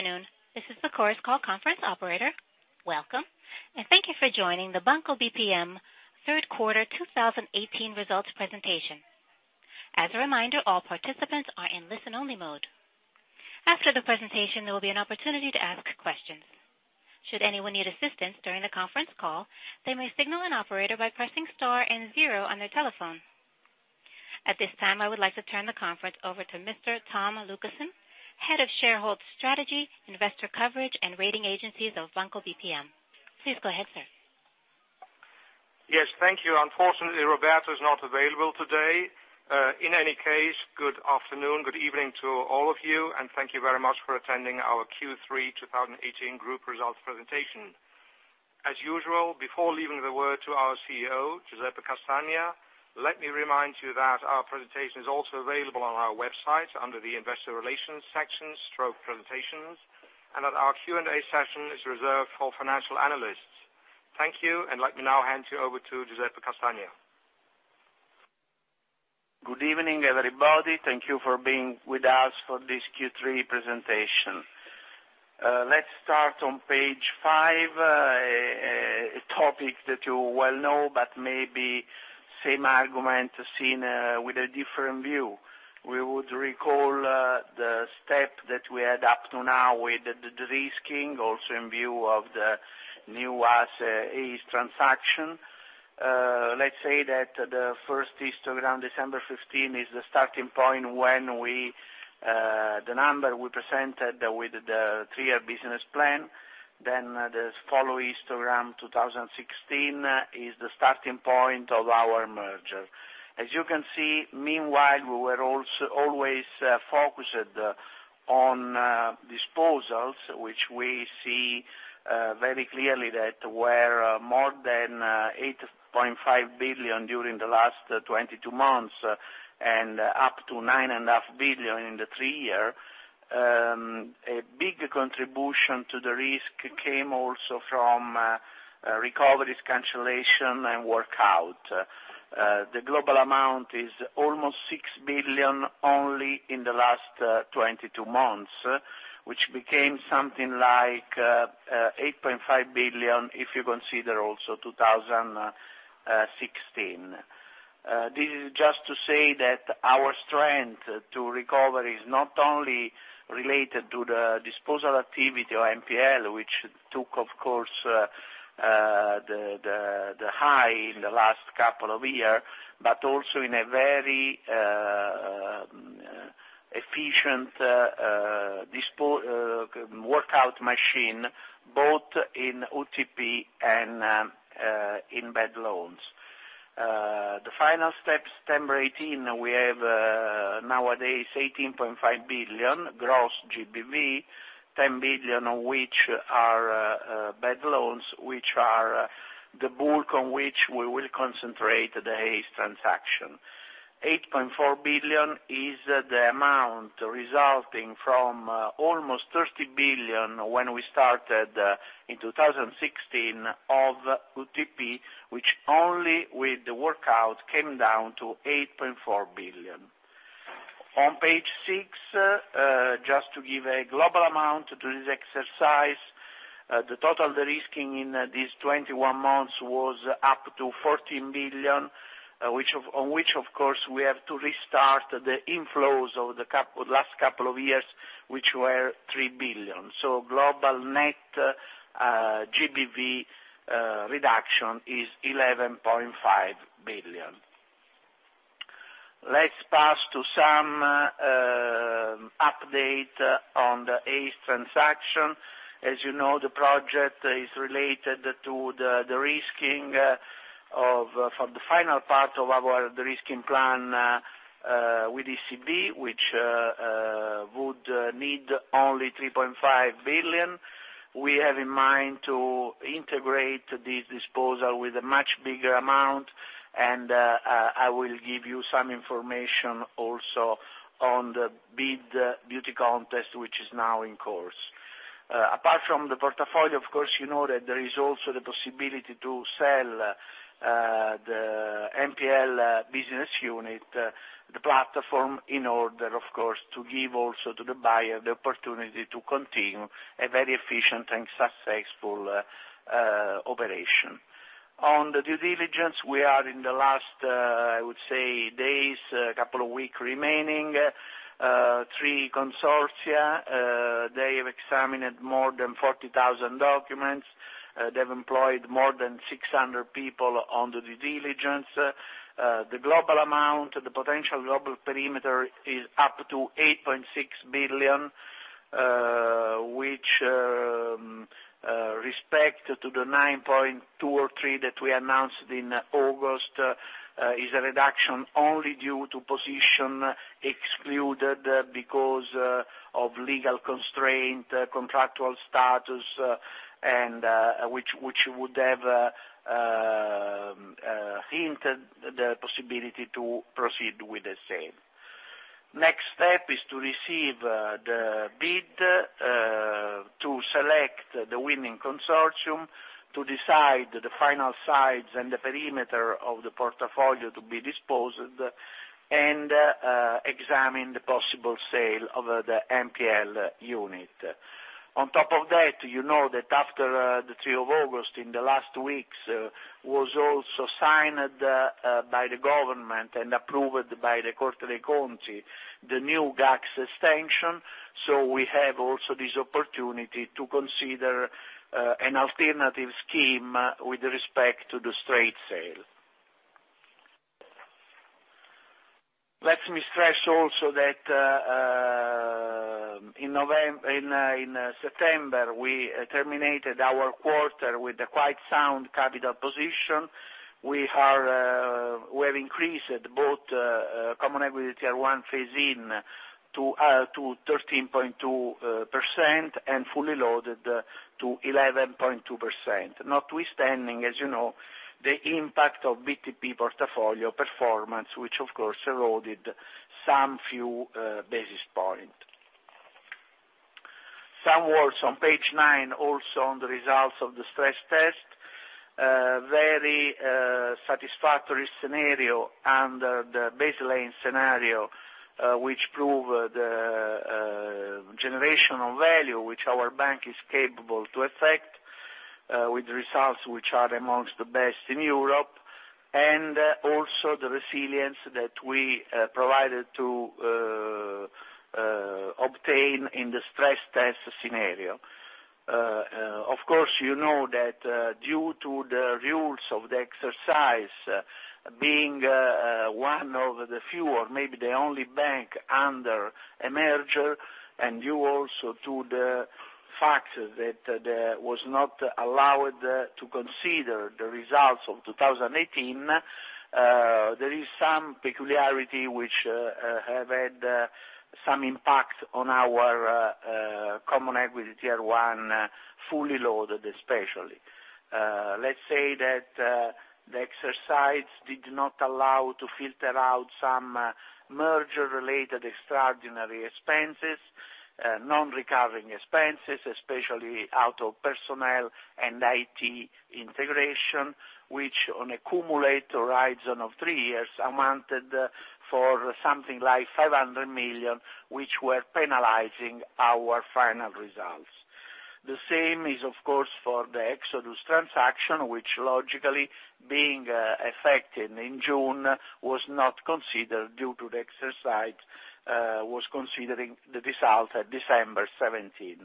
Good afternoon. This is the Chorus Call conference operator. Welcome, and thank you for joining the Banco BPM third quarter 2018 results presentation. As a reminder, all participants are in listen-only mode. After the presentation, there will be an opportunity to ask questions. Should anyone need assistance during the conference call, they may signal an operator by pressing star and zero on their telephone. At this time, I would like to turn the conference over to Mr. Tom Lucassen, Head of Shareholder Strategy, Investor Coverage, and Rating Agencies of Banco BPM. Please go ahead, sir. Yes, thank you. Unfortunately, Roberto is not available today. In any case, good afternoon, good evening to all of you, and thank you very much for attending our Q3 2018 group results presentation. As usual, before leaving the word to our CEO, Giuseppe Castagna, let me remind you that our presentation is also available on our website under the investor relations section, stroke presentations, and that our Q&A session is reserved for financial analysts. Thank you. Let me now hand you over to Giuseppe Castagna. Good evening, everybody. Thank you for being with us for this Q3 presentation. Let's start on page five, a topic that you well know, but maybe same argument seen with a different view. We would recall the step that we add up to now with the de-risking, also in view of the new ACE transaction. Let's say that the first histogram, December 15, is the starting point when the number we presented with the three-year business plan. The follow histogram 2016 is the starting point of our merger. As you can see, meanwhile, we were always focused on disposals, which we see very clearly that were more than 8.5 billion during the last 22 months and up to 9.5 billion in the three year. A big contribution to the risk came also from recoveries, cancellation, and workout. The global amount is almost 6 billion only in the last 22 months, which became something like 8.5 billion if you consider also 2016. This is just to say that our strength to recover is not only related to the disposal activity or NPL, which took, of course, the high in the last couple of year, but also in a very efficient workout machine, both in UTP and in bad loans. The final step, September 18, we have nowadays 18.5 billion gross GBV, 10 billion of which are bad loans, which are the bulk on which we will concentrate the ACE transaction. 8.4 billion is the amount resulting from almost 30 billion when we started in 2016 of UTP, which only with the workout came down to 8.4 billion. On page six, just to give a global amount to this exercise, the total de-risking in these 21 months was up to 14 billion, on which of course we have to restart the inflows over the last couple of years, which were 3 billion. Global net GBV reduction is 11.5 billion. Let's pass to some update on the ACE transaction. As you know, the project is related to the de-risking for the final part of our de-risking plan with ECB, which would need only 3.5 billion. We have in mind to integrate this disposal with a much bigger amount, and I will give you some information also on the bid beauty contest, which is now in course. Apart from the portfolio, of course, you know that there is also the possibility to sell the NPL business unit, the platform, in order, of course, to give also to the buyer the opportunity to continue a very efficient and successful operation. On the due diligence, we are in the last, I would say, days, a couple of week remaining. Three consortia, they have examined more than 40,000 documents. They've employed more than 600 people on the due diligence. The global amount, the potential global perimeter is up to 8.6 billion, which respect to the 9.2 billion or 9.3 billion that we announced in August, is a reduction only due to position excluded because of legal constraint, contractual status, and which would have hinted the possibility to proceed with the same. Next step is to receive the bid. To select the winning consortium, to decide the final size and the perimeter of the portfolio to be disposed, and examine the possible sale of the NPL unit. On top of that, you know that after the 3rd of August, in the last weeks, was also signed by the government and approved by the Corte dei conti, the new GACS extension. We have also this opportunity to consider an alternative scheme with respect to the straight sale. Let me stress also that in September, we terminated our quarter with a quite sound capital position. We have increased both common equity tier one phase-in to 13.2% and fully loaded to 11.2%. Notwithstanding, as you know, the impact of BTP portfolio performance, which of course eroded some few basis point. Some words on page nine also on the results of the stress test. Very satisfactory scenario under the baseline scenario, which prove the generational value which our bank is capable to effect, with results which are amongst the best in Europe, and also the resilience that we provided to obtain in the stress test scenario. Of course, you know that due to the rules of the exercise, being one of the few or maybe the only bank under a merger, and due also to the fact that there was not allowed to consider the results of 2018, there is some peculiarity which have had some impact on our common equity tier one fully loaded, especially. Let's say that the exercise did not allow to filter out some merger-related extraordinary expenses, non-recurring expenses, especially out of personnel and IT integration, which on a cumulate horizon of three years, amounted for something like 500 million, which were penalizing our final results. The same is, of course, for the Exodus transaction, which logically, being effected in June, was not considered due to the exercise, was considering the result at December 2017.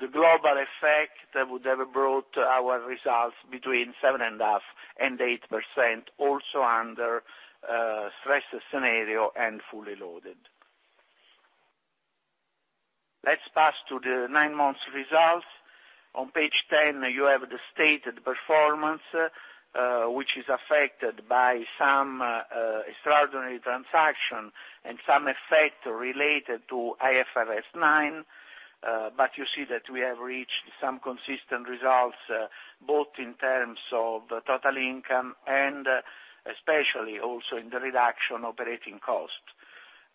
The global effect that would have brought our results between 7.5%-8%, also under stress scenario and fully loaded. Let's pass to the nine months results. On page 10, you have the stated performance, which is affected by some extraordinary transaction and some effect related to IFRS 9, but you see that we have reached some consistent results, both in terms of total income and especially also in the reduction operating costs.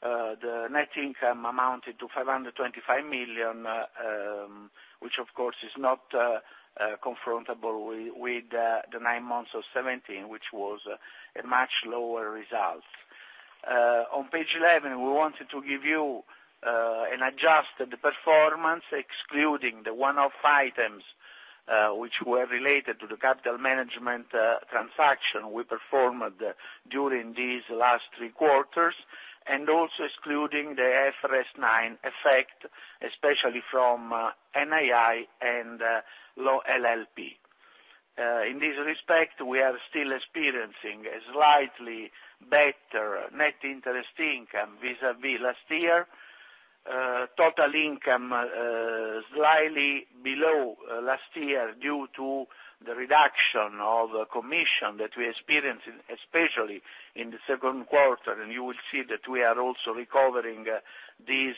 The net income amounted to 525 million, which of course is not confrontable with the nine months of 2017, which was a much lower result. On page 11, we wanted to give you an adjusted performance, excluding the one-off items which were related to the capital management transaction we performed during these last three quarters, and also excluding the IFRS 9 effect, especially from NII and low LLP. In this respect, we are still experiencing a slightly better net interest income vis-à-vis last year. Total income slightly below last year due to the reduction of commission that we experienced especially in the second quarter, and you will see that we are also recovering this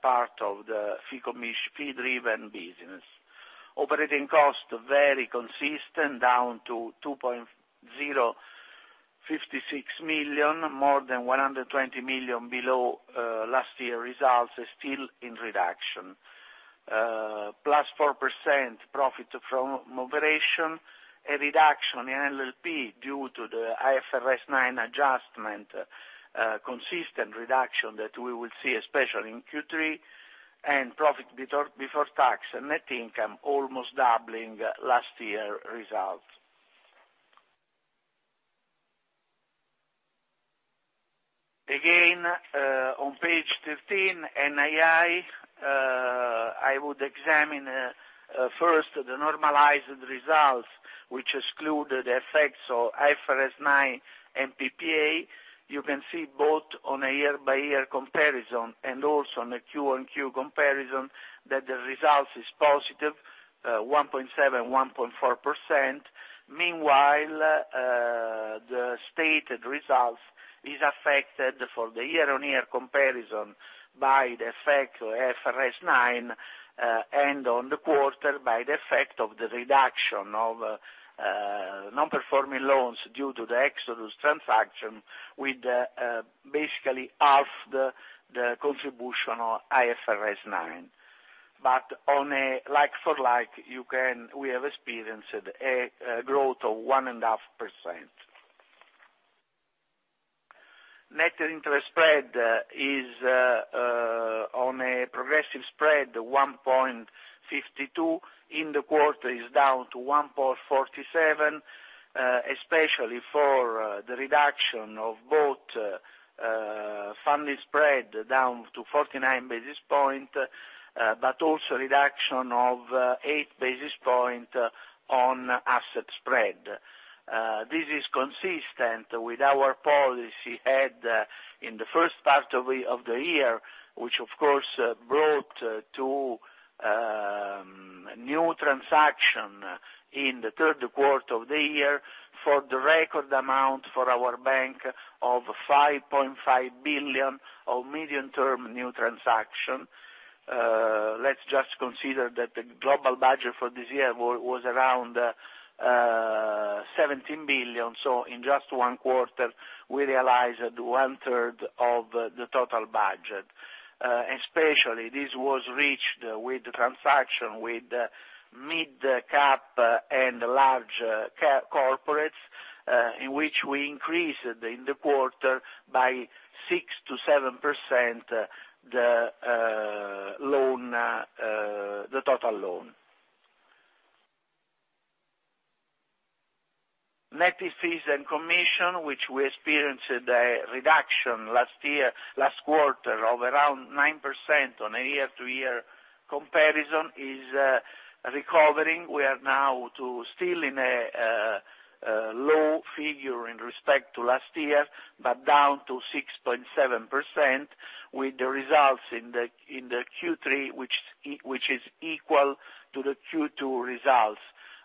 part of the fee driven business. Operating costs very consistent, down to 2,056 million, more than 120 million below last year results, still in reduction. +4% profit from operation, a reduction in LLP due to the IFRS 9 adjustment, consistent reduction that we will see, especially in Q3, and profit before tax and net income almost doubling last year result. Again, on page 13, NII, I would examine first the normalized results, which exclude the effects of IFRS 9 and PPA. You can see both on a year-over-year comparison and also on a Q-on-Q comparison that the result is positive, 1.7%, 1.4%. Meanwhile, the stated result is affected for the year-over-year comparison by the effect of IFRS 9, and on the quarter by the effect of the reduction of non-performing loans due to the Exodus transaction, with basically half the contribution of IFRS 9. But on a like-for-like, we have experienced a growth of 1.5%. Net interest spread is on a progressive spread, 1.52% in the quarter is down to 1.47%, especially for the reduction of both funding spread down to 49 basis points, but also reduction of eight basis points on asset spread. This is consistent with our policy had in the first part of the year, which of course, brought to new transaction in the third quarter of the year for the record amount for our bank of 5.5 billion of medium-term new transaction. Let's just consider that the global budget for this year was around 17 billion. In just one quarter, we realized one third of the total budget. Especially, this was reached with transaction with mid-cap and large corporates, in which we increased in the quarter by 6%-7% the total loan. Net fees and commission, which we experienced a reduction last quarter of around 9% on a year-over-year comparison, is recovering. We are now still in a low figure in respect to last year, but down to 6.7% with the results in the Q3, which is equal to the Q2 results,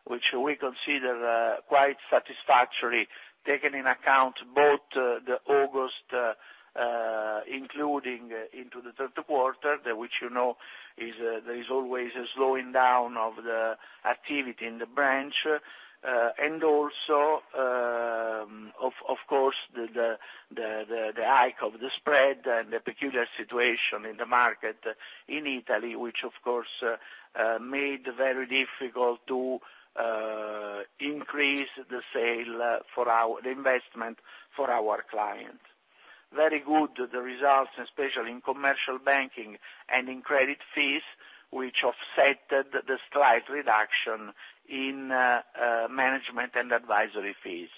which we consider quite satisfactory, taking into account both the August included into the third quarter, which you know, there is always a slowing down of the activity in the branch. Also, of course, the hike of the spread and the peculiar situation in the market in Italy, which of course, made very difficult to increase the investment for our client. Very good the results, especially in commercial banking and in credit fees, which offset the slight reduction in management and advisory fees.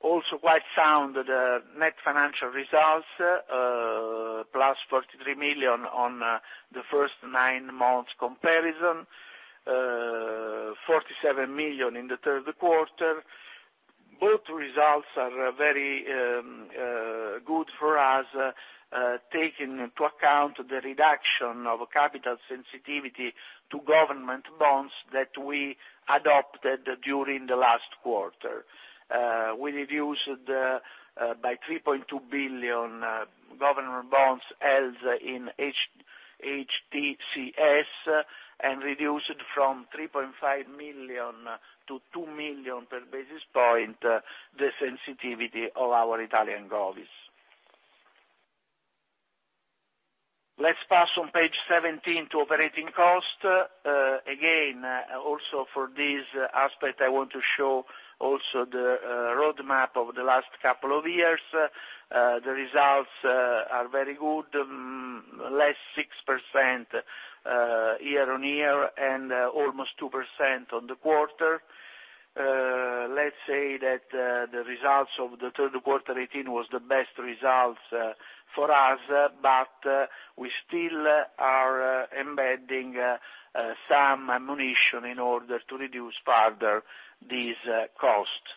Also quite sound, the net financial results, plus 43 million on the first nine months comparison, 47 million in the third quarter. Both results are very good for us, taking into account the reduction of capital sensitivity to government bonds that we adopted during the last quarter. We reduced by 3.2 billion government bonds held in HTCS, and reduced from 3.5 million to 2 million per basis point the sensitivity of our Italian govies. Let's pass on page 17 to operating cost. Also for this aspect, I want to show also the roadmap of the last couple of years. The results are very good, less 6% year-over-year and almost 2% on the quarter. We still are embedding some ammunition in order to reduce further these costs.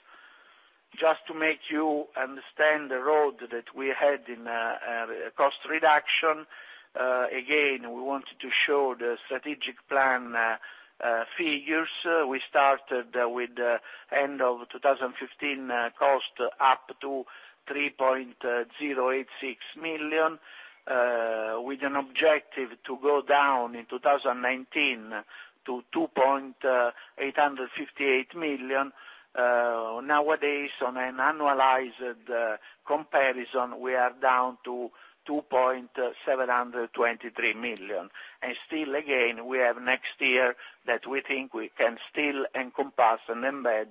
To make you understand the road that we had in cost reduction, we wanted to show the strategic plan figures. We started with the end of 2015 cost up to 3,086 million, with an objective to go down in 2019 to 2,858 million. Nowadays, on an annualized comparison, we are down to 2,723 million. Still again, we have next year that we think we can still encompass and embed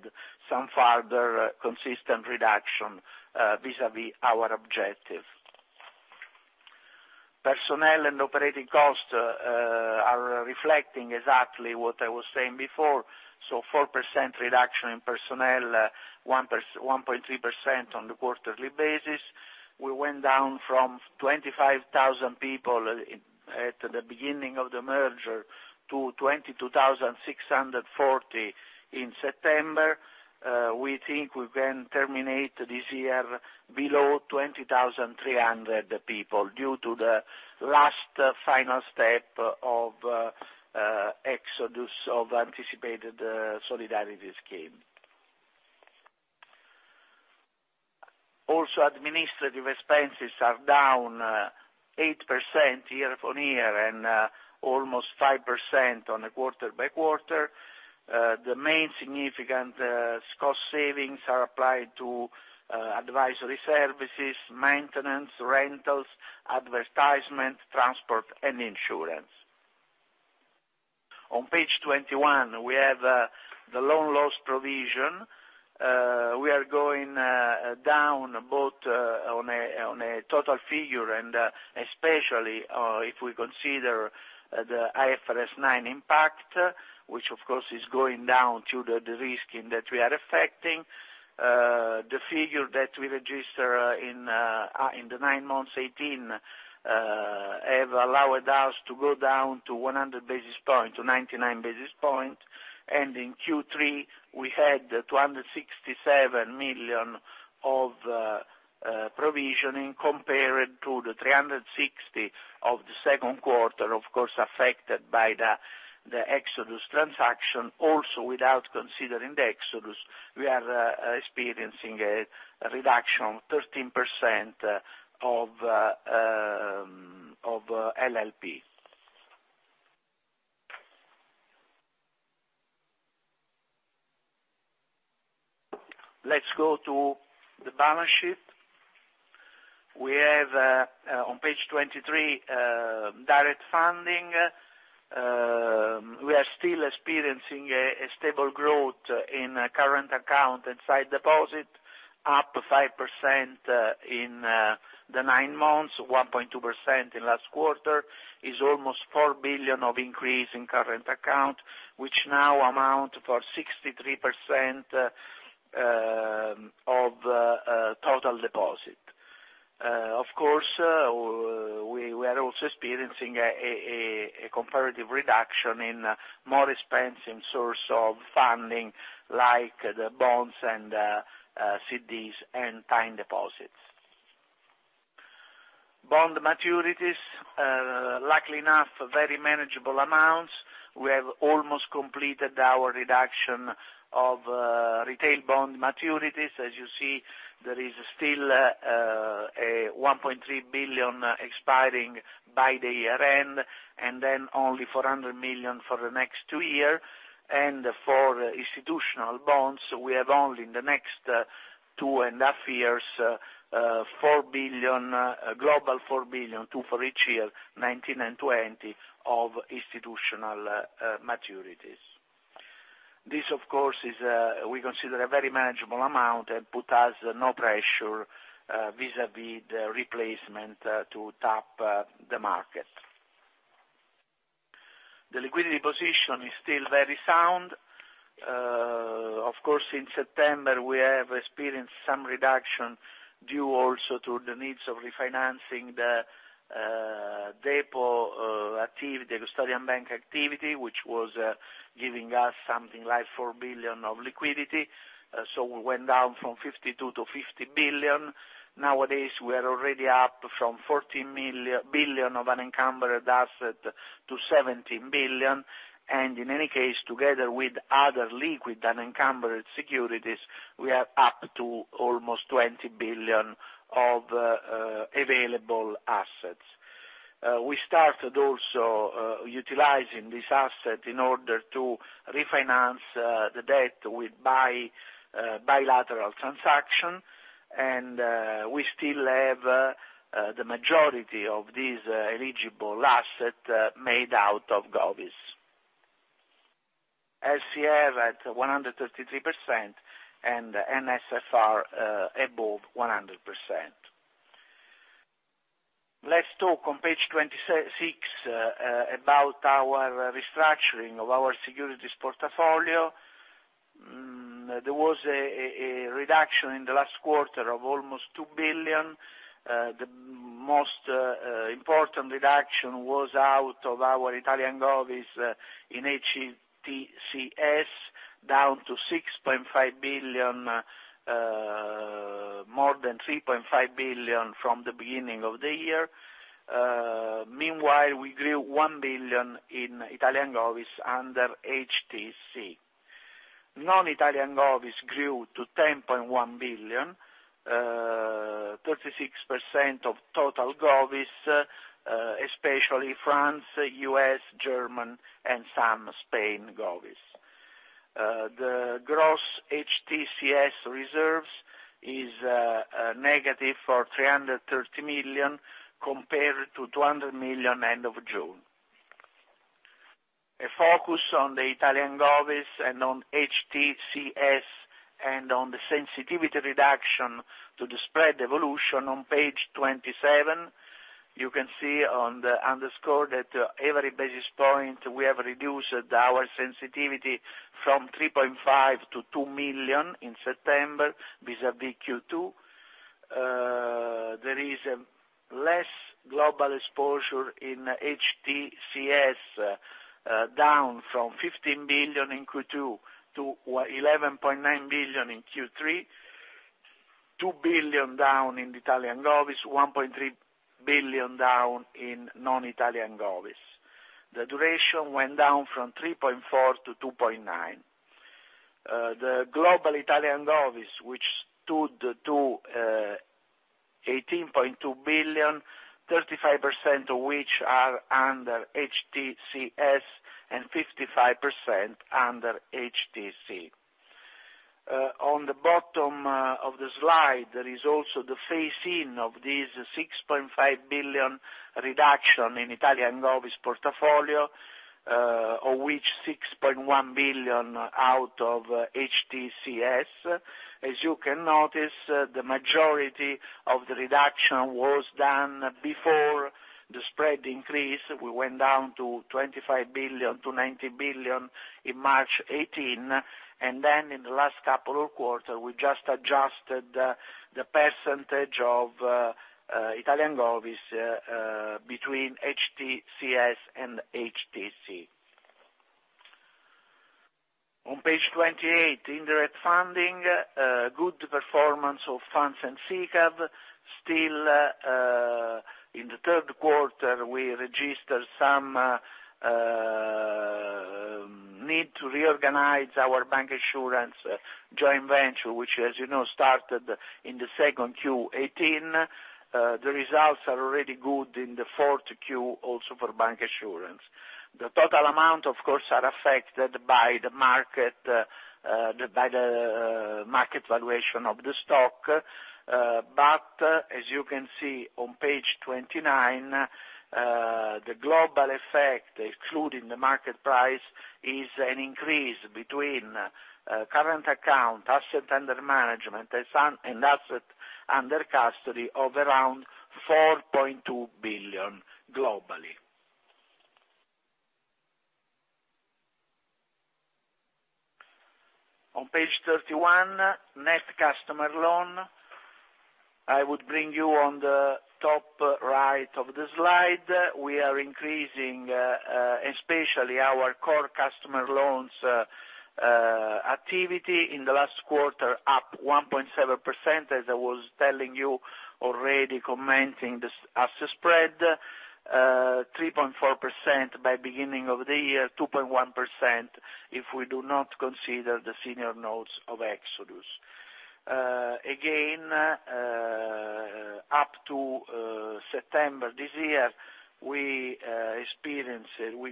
some further consistent reduction vis-à-vis our objective. Personnel and operating costs are reflecting exactly what I was saying before. 4% reduction in personnel, 1.3% on the quarterly basis. We went down from 25,000 people at the beginning of the merger to 22,640 in September. We think we can terminate this year below 20,300 people due to the last final step of exodus of anticipated solidarity scheme. Administrative expenses are down 8% year-over-year and almost 5% quarter-over-quarter. The main significant cost savings are applied to advisory services, maintenance, rentals, advertisement, transport, and insurance. On page 21, we have the loan loss provision. We are going down both on a total figure and especially if we consider the IFRS 9 impact, which of course is going down due to de-risking that we are affecting. The figure that we register in the nine months 2018 have allowed us to go down to 100 basis points, to 99 basis points, and in Q3, we had 267 million of provisioning compared to the 360 of the second quarter, of course affected by the Exodus transaction. Without considering the Exodus, we are experiencing a reduction of 13% of LLP. Let's go to the balance sheet. We have, on page 23, direct funding. We are still experiencing a stable growth in current account and site deposit, up 5% in the nine months, 1.2% in last quarter. There is almost 4 billion of increase in current account, which now amount for 63% of total deposit. Of course, we are also experiencing a comparative reduction in more expensive source of funding like the bonds and CDs and time deposits. Bond maturities, luckily enough, very manageable amounts. We have almost completed our reduction of retail bond maturities. As you see, there is still 1.3 billion expiring by the year-end, then only 400 million for the next two year. For institutional bonds, we have only in the next two and a half years, global 4 billion, 2 billion for each year, 2019 and 2020, of institutional maturities. This, of course, we consider a very manageable amount and put us no pressure vis-à-vis the replacement to tap the market. The liquidity position is still very sound. Of course, in September, we have experienced some reduction due also to the needs of refinancing the depot activity, the custodian bank activity, which was giving us something like 4 billion of liquidity. We went down from 52 billion to 50 billion. Nowadays, we are already up from 14 billion of unencumbered asset to 17 billion, and in any case, together with other liquid and unencumbered securities, we are up to almost 20 billion of available assets. We started also utilizing this asset in order to refinance the debt with bilateral transaction, and we still have the majority of these eligible asset made out of Govies. LCR at 133% and NSFR above 100%. Let's talk on page 26 about our restructuring of our securities portfolio. There was a reduction in the last quarter of almost 2 billion. The most important reduction was out of our Italian Govies in HTCS, down to 6.5 billion, more than 3.5 billion from the beginning of the year. Meanwhile, we grew 1 billion in Italian Govies under HTC. Non-Italian Govies grew to 10.1 billion, 36% of total Govies, especially France, U.S., German, and some Spain Govies. The gross HTCS reserves is negative for 330 million compared to 200 million end of June. A focus on the Italian Govies and on HTCS and on the sensitivity reduction to the spread evolution on page 27. You can see on the underscore that every basis point we have reduced our sensitivity from 3.5 million to 2 million in September vis-à-vis Q2. There is less global exposure in HTCS, down from 15 billion in Q2 to 11.9 billion in Q3, 2 billion down in Italian Govies, 1.3 billion down in non-Italian Govies. The duration went down from 3.4 to 2.9. The global Italian Govies, which stood to 18.2 billion, 35% of which are under HTCS and 55% under HTC. On the bottom of the slide, there is also the phase-in of this 6.5 billion reduction in Italian Govies portfolio, of which 6.1 billion out of HTCS. As you can notice, the majority of the reduction was done before the spread increase. We went down to 25 billion to 19 billion in March 2018, and then in the last couple of quarters, we just adjusted the percentage of Italian Govies between HTCS and HTC. On page 28, indirect funding. Good performance of funds and SICAV. Still, in the third quarter, we registered some need to reorganize our bancassurance joint venture, which, as you know, started in the second Q 2018. The results are already good in the fourth Q, also for bancassurance. The total amount, of course, are affected by the market valuation of the stock. As you can see on page 29, the global effect, excluding the market price, is an increase between current account assets under management and assets under custody of around 4.2 billion globally. On page 31, net customer loan. I would bring you on the top right of the slide. We are increasing, especially our core customer loans activity in the last quarter, up 1.7%, as I was telling you already commenting this asset spread, 3.4% by beginning of the year, 2.1% if we do not consider the senior notes of Project Exodus. Up to September this year, we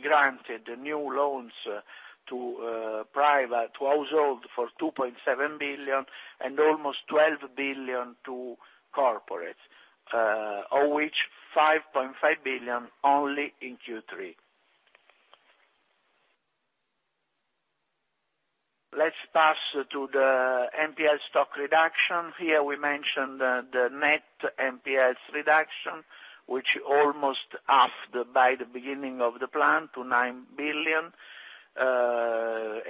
granted new loans to household for 2.7 billion and almost 12 billion to corporate, of which 5.5 billion only in Q3. Let's pass to the NPL stock reduction. Here we mentioned the net NPLs reduction, which almost halved by the beginning of the plan to 9 billion.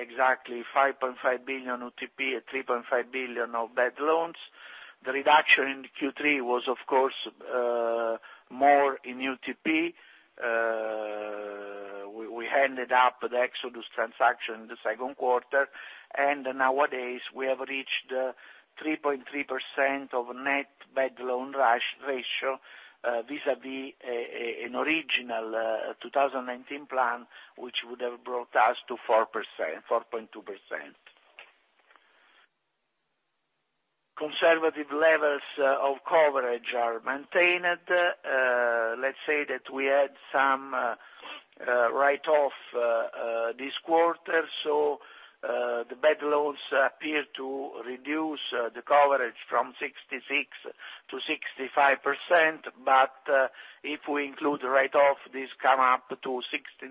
Exactly 5.5 billion UTP, 3.5 billion of bad loans. The reduction in Q3 was, of course, more in UTP. We ended up the Project Exodus transaction in the second quarter, and nowadays we have reached 3.3% of net bad loan ratio, vis-a-vis an original 2019 plan, which would have brought us to 4.2%. Conservative levels of coverage are maintained. Let's say that we had some write-off this quarter, so the bad loans appear to reduce the coverage from 66% to 65%, but if we include the write-off, this come up to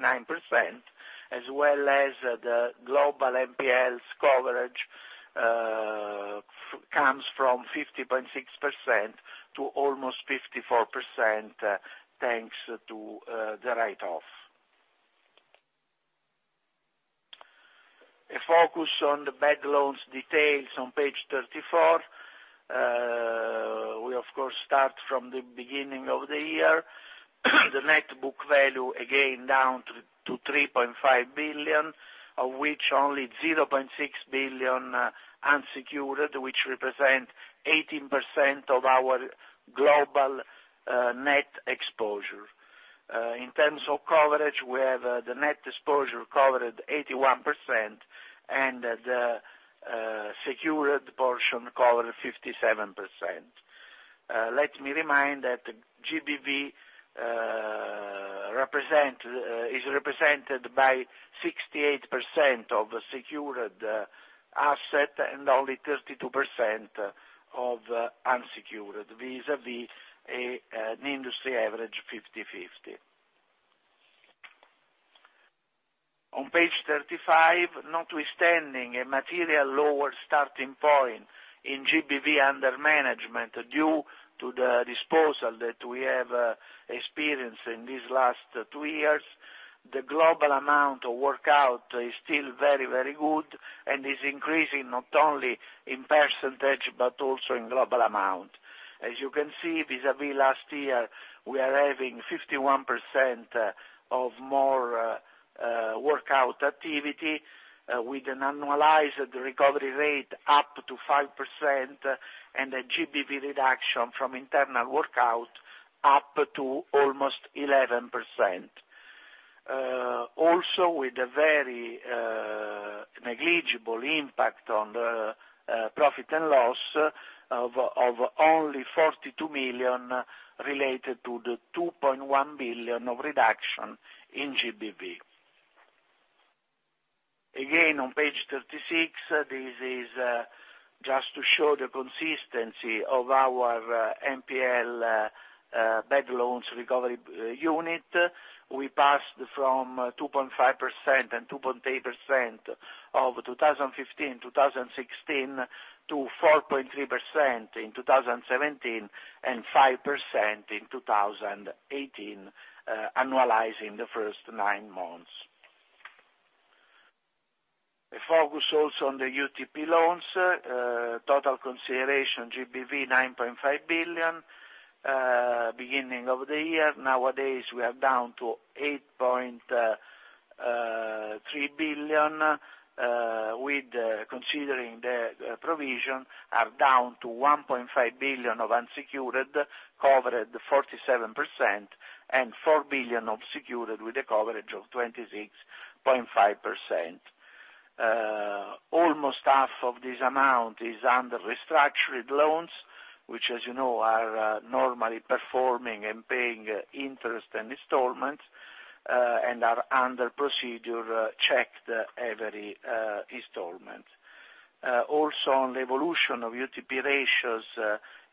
69%, as well as the global NPLs coverage comes from 50.6% to almost 54%, thanks to the write-off. A focus on the bad loans details on page 34. We, of course, start from the beginning of the year. The net book value, again, down to 3.5 billion, of which only 0.6 billion unsecured, which represent 18% of our global net exposure. In terms of coverage, we have the net exposure covered 81% and the secured portion covered 57%. Let me remind that the GBV is represented by 68% of the secured asset and only 32% of unsecured, vis-a-vis an industry average 50/50. On page 35, notwithstanding a material lower starting point in GBV under management due to the disposal that we have experienced in these last two years, the global amount of workout is still very good and is increasing not only in percentage but also in global amount. As you can see, vis-a-vis last year, we are having 51% of more workout activity with an annualized recovery rate up to 5% and a GBV reduction from internal workout up to almost 11%. Also with a very negligible impact on the profit and loss of only 42 million related to the 2.1 billion of reduction in GBV. On page 36, this is just to show the consistency of our NPL bad loans recovery unit. We passed from 2.5% and 2.8% of 2015, 2016 to 4.3% in 2017 and 5% in 2018, annualizing the first nine months. A focus also on the UTP loans, total consideration GBV 9.5 billion, beginning of the year. Nowadays, we are down to 8.3 billion, with considering the provision are down to 1.5 billion of unsecured, covered 47%, and 4 billion of secured with a coverage of 26.5%. Almost half of this amount is under restructured loans, which as you know, are normally performing and paying interest and installments, and are under procedure checked every installment. Also, on the evolution of UTP ratios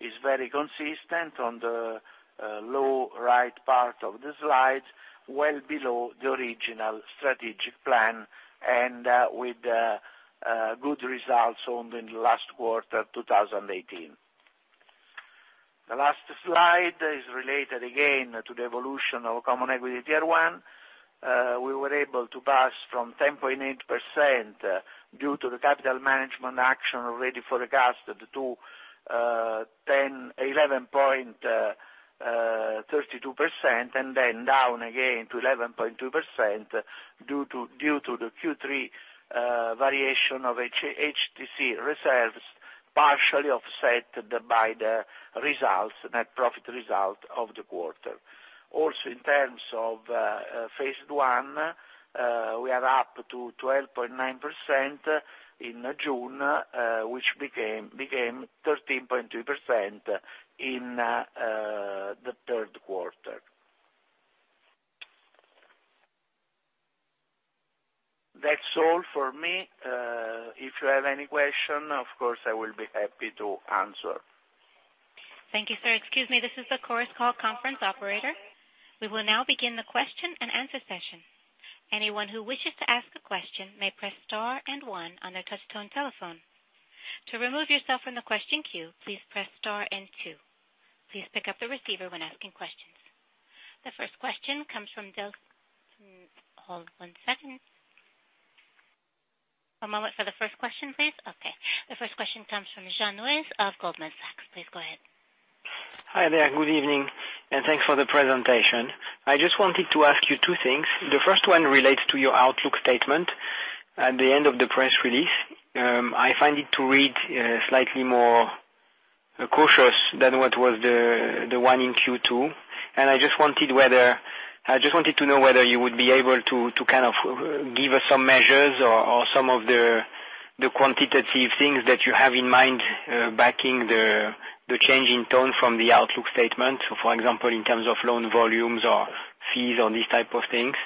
is very consistent on the low right part of the slide, well below the original strategic plan, and with good results on the last quarter 2018. The last slide is related again to the evolution of common equity tier one. We were able to pass from 10.8% due to the capital management action already forecast to 11.32%, and then down again to 11.2% due to the Q3 variation of HTC reserves, partially offset by the net profit result of the quarter. Also, in terms of phase one, we are up to 12.9% in June, which became 13.2% in the third quarter. That's all for me. If you have any question, of course, I will be happy to answer. Thank you, sir. Excuse me, this is the Chorus Call conference operator. We will now begin the question and answer session. Anyone who wishes to ask a question may press star and one on their touch-tone telephone. To remove yourself from the question queue, please press star and two. Please pick up the receiver when asking questions. The first question comes from Del Hold one second. One moment for the first question, please. Okay. The first question comes from Jean-Louis of Goldman Sachs. Please go ahead. Hi there. Good evening. Thanks for the presentation. I just wanted to ask you two things. The first one relates to your outlook statement at the end of the press release. I find it to read slightly more cautious than what was the one in Q2. I just wanted to know whether you would be able to give us some measures or some of the quantitative things that you have in mind backing the change in tone from the outlook statement. For example, in terms of loan volumes or fees or these type of things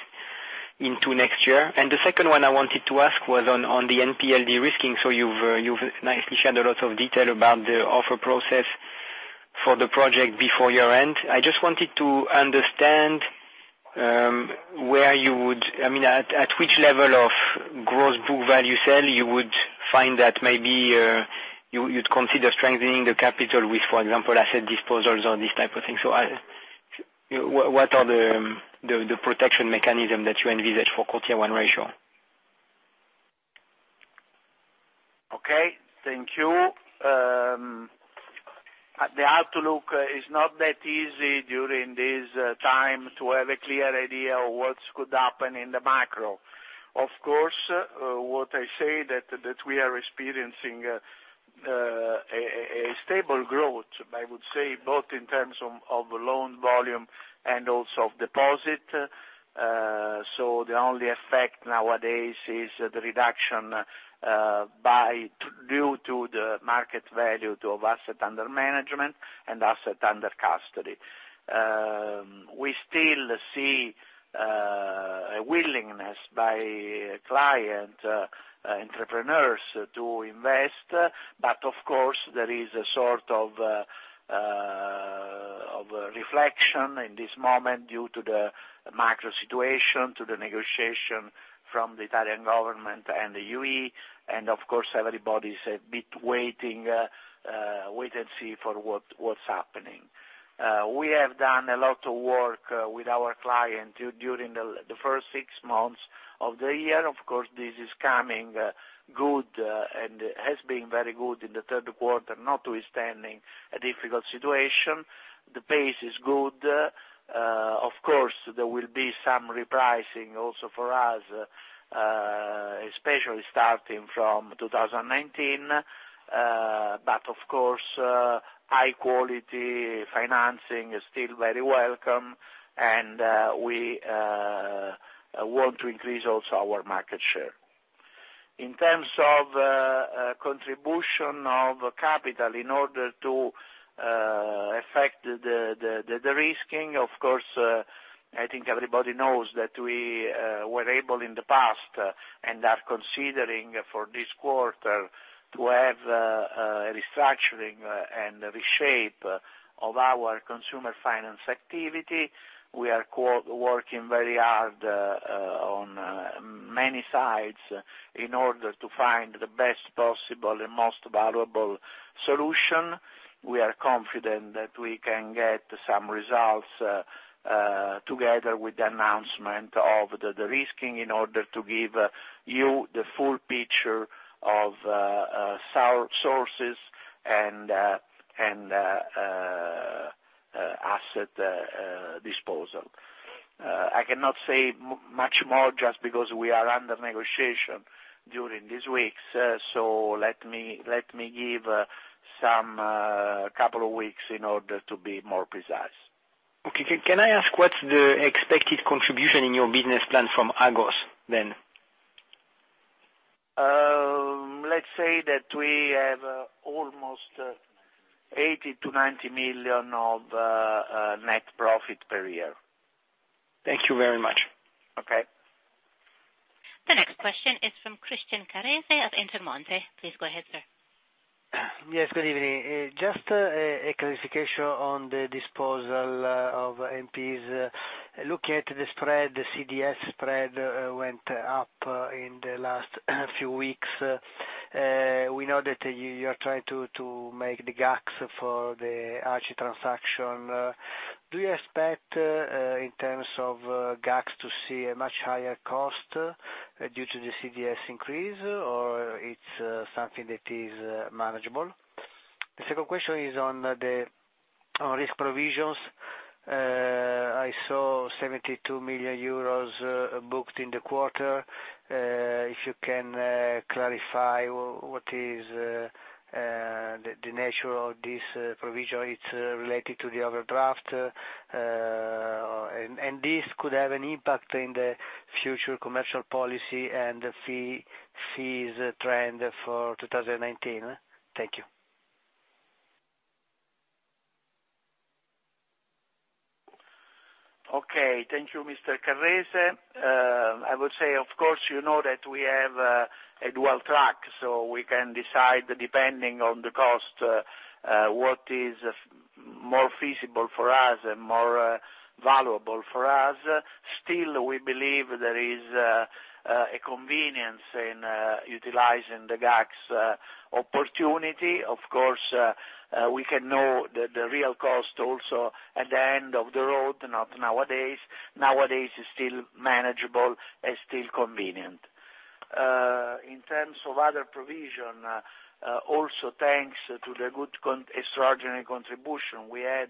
into next year. The second one I wanted to ask was on the NPL de-risking. You've nicely shared a lot of detail about the offer process for the project before year-end. I just wanted to understand at which level of gross book value sale you would find that maybe you'd consider strengthening the capital with, for example, asset disposals or this type of thing. What are the protection mechanism that you envisage for tier one ratio? Okay, thank you. The outlook is not that easy during this time to have a clear idea of what could happen in the macro. What I say that we are experiencing a stable growth, I would say both in terms of loan volume and also of deposit. The only effect nowadays is the reduction due to the market value of asset under management and asset under custody. We still see a willingness by client entrepreneurs to invest. Of course, there is a sort of reflection in this moment due to the macro situation, to the negotiation from the Italian government and the EU, and of course, everybody's a bit wait and see for what's happening. We have done a lot of work with our client during the first six months of the year. This is coming good and has been very good in the third quarter, notwithstanding a difficult situation. The pace is good. Of course, there will be some repricing also for us, especially starting from 2019. Of course, high-quality financing is still very welcome and we want to increase also our market share. In terms of contribution of capital in order to affect the de-risking, of course, I think everybody knows that we were able in the past, and are considering for this quarter, to have a restructuring and reshape of our consumer finance activity. We are working very hard on many sides in order to find the best possible and most valuable solution. We are confident that we can get some results together with the announcement of the de-risking in order to give you the full picture of our sources and asset disposal. I cannot say much more just because we are under negotiation during these weeks, let me give some couple of weeks in order to be more precise. Okay. Can I ask what's the expected contribution in your business plan from Agos, then? Let's say that we have almost 80 million-90 million of net profit per year. Thank you very much. Okay. The next question is from Christian Carrese of Intermonte. Please go ahead, sir. Yes, good evening. Just a clarification on the disposal of NPLs. Looking at the spread, the CDS spread went up in the last few weeks. We know that you are trying to make the GACS for the ACE transaction. Do you expect, in terms of GACS, to see a much higher cost due to the CDS increase, or it is something that is manageable? The second question is on the risk provisions. I saw 72 million euros booked in the quarter. If you can clarify what is the nature of this provision, it is related to the overdraft. This could have an impact in the future commercial policy and the fees trend for 2019. Thank you. Okay. Thank you, Mr. Carrese. I would say, of course, you know that we have a dual track, so we can decide depending on the cost, what is more feasible for us and more valuable for us. Still, we believe there is a convenience in utilizing the GACS opportunity. Of course, we can know the real cost also at the end of the road, not nowadays. Nowadays, it is still manageable and still convenient. In terms of other provision, also thanks to the good extraordinary contribution we had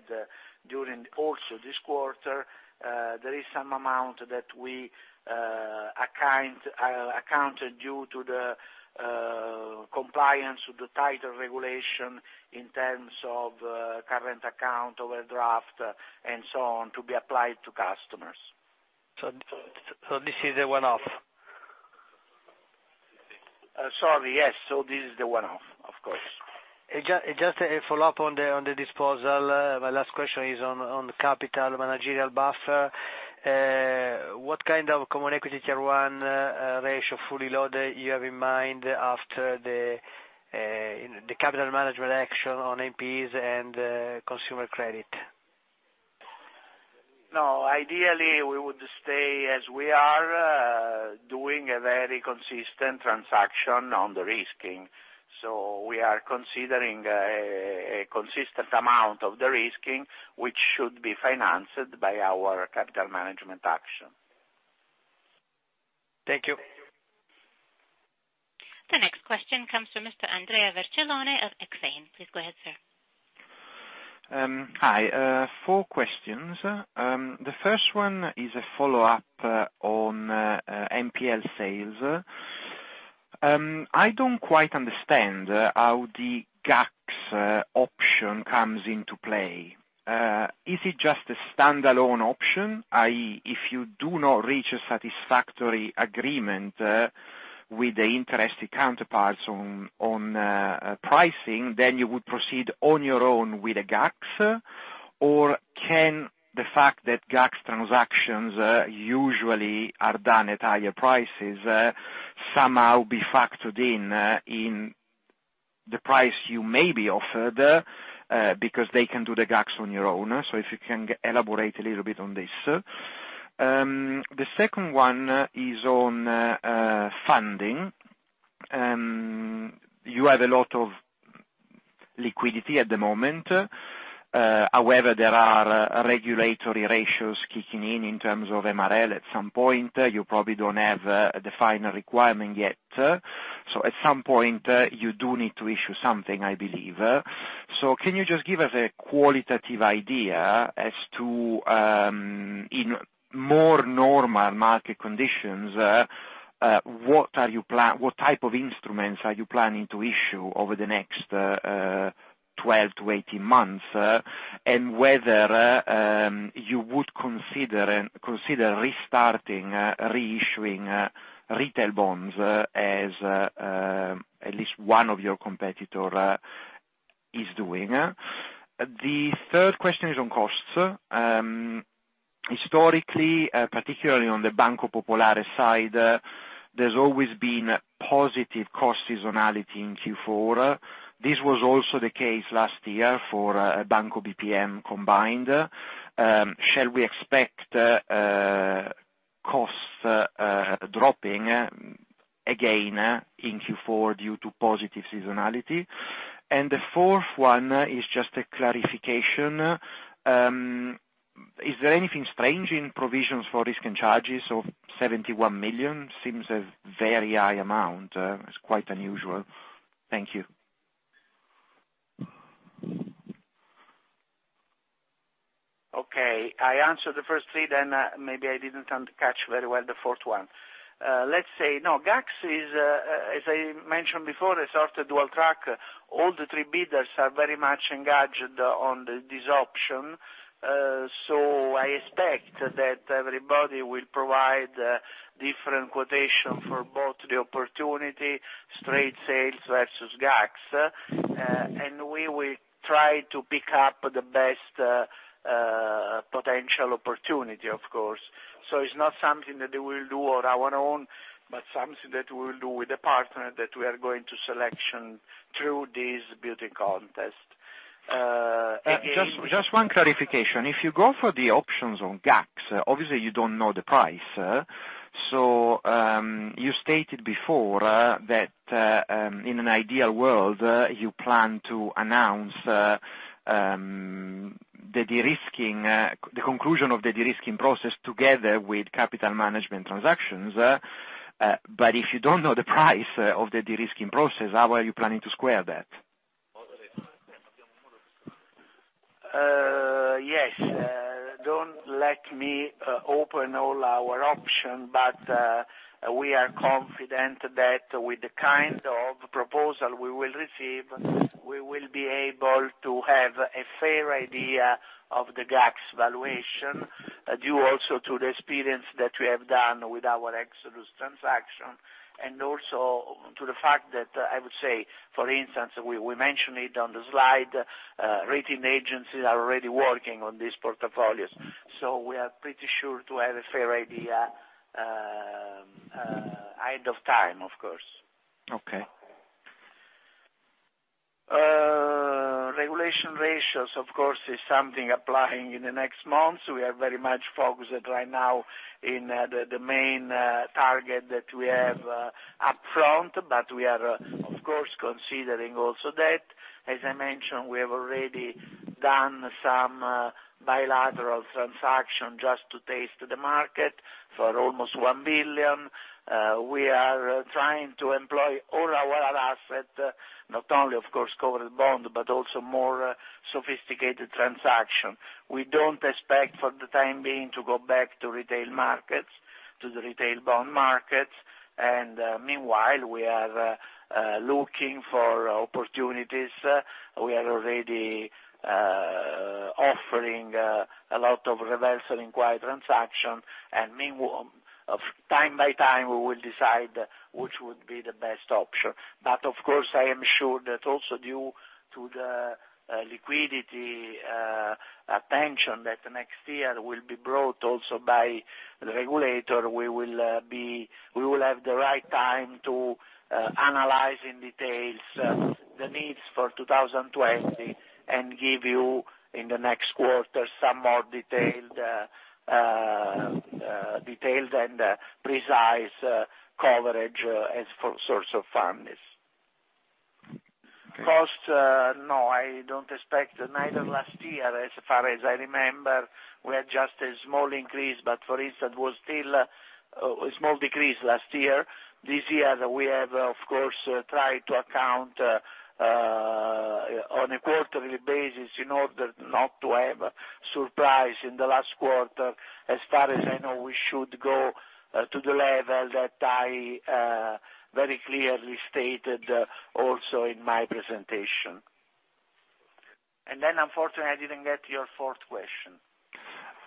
during also this quarter, there is some amount that we accounted due to the compliance with the tighter regulation in terms of current account overdraft and so on, to be applied to customers. This is a one-off? Sorry. Yes. This is the one-off, of course. Just a follow-up on the disposal. My last question is on capital managerial buffer. What kind of common equity Tier 1 ratio fully loaded you have in mind after the capital management action on NPLs and consumer credit? No. Ideally, we would stay as we are, doing a very consistent transaction on the de-risking. We are considering a consistent amount of the de-risking, which should be financed by our capital management action. Thank you. The next question comes from Mr. Andrea Vercellone of Exane. Please go ahead, sir. Hi. Four questions. The first one is a follow-up on NPL sales. I don't quite understand how the GACS option comes into play. Is it just a standalone option, i.e., if you do not reach a satisfactory agreement with the interested counterparts on pricing, then you would proceed on your own with a GACS? Or can the fact that GACS transactions usually are done at higher prices somehow be factored in the price you may be offered, because they can do the GACS on your own? If you can elaborate a little bit on this. The second one is on funding. You have a lot of liquidity at the moment. However, there are regulatory ratios kicking in terms of MREL at some point. You probably don't have the final requirement yet. At some point, you do need to issue something, I believe. Can you just give us a qualitative idea as to, in more normal market conditions, what type of instruments are you planning to issue over the next two years, 12 to 18 months, and whether you would consider restarting re-issuing retail bonds as at least one of your competitor is doing. The third question is on costs. Historically, particularly on the Banco Popolare side, there's always been positive cost seasonality in Q4. This was also the case last year for Banco BPM combined. Shall we expect costs dropping again in Q4 due to positive seasonality? The fourth one is just a clarification. Is there anything strange in provisions for risk and charges of 71 million? Seems a very high amount. It's quite unusual. Thank you. Okay. I answered the first three, then maybe I didn't catch very well the fourth one. GACS, as I mentioned before, is sort of dual track. All the three bidders are very much engaged on this option, so I expect that everybody will provide different quotation for both the opportunity, straight sales versus GACS. We will try to pick up the best potential opportunity, of course. It's not something that we will do on our own, but something that we will do with a partner that we are going to selection through this bidding contest. Just one clarification. If you go for the options on GACS, obviously you don't know the price. You stated before that in an ideal world, you plan to announce the conclusion of the de-risking process together with capital management transactions. But if you don't know the price of the de-risking process, how are you planning to square that? Yes. Don't let me open all our option, but we are confident that with the kind of proposal we will receive, we will be able to have a fair idea of the GACS valuation, due also to the experience that we have done with our Exodus transaction, and also to the fact that, I would say, for instance, we mention it on the slide, rating agencies are already working on these portfolios. We are pretty sure to have a fair idea ahead of time, of course. Okay. Regulation ratios, of course, is something applying in the next months. We are very much focused right now in the main target that we have up front, but we are of course, considering also that. As I mentioned, we have already done some bilateral transaction just to taste the market for almost 1 billion. We are trying to employ all our asset, not only of course covered bond, but also more sophisticated transaction. We don't expect for the time being to go back to retail markets, to the retail bond markets. Meanwhile, we are looking for opportunities. We are already offering a lot of reversal inquiry transaction, time by time, we will decide which would be the best option. Of course, I am sure that also due to the liquidity attention that next year will be brought also by the regulator, we will have the right time to analyze in details the needs for 2020 and give you in the next quarter some more detailed and precise coverage as for source of fund is. Cost, no, I don't expect, neither last year as far as I remember, we had just a small increase, but for instance, was still a small decrease last year. This year we have, of course, tried to account on a quarterly basis in order not to have a surprise in the last quarter. As far as I know, we should go to the level that I very clearly stated also in my presentation. Unfortunately, I didn't get your fourth question.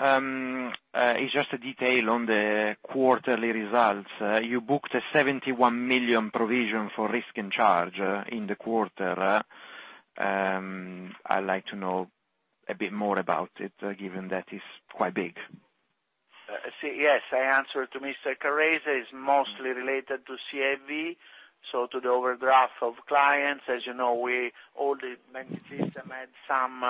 It's just a detail on the quarterly results. You booked a 71 million provision for risk and charge in the quarter. I'd like to know a bit more about it, given that it's quite big. Yes. I answered to Mr. Carrese, it's mostly related to CIV, so to the overdraft of clients. As you know, all the banking system had some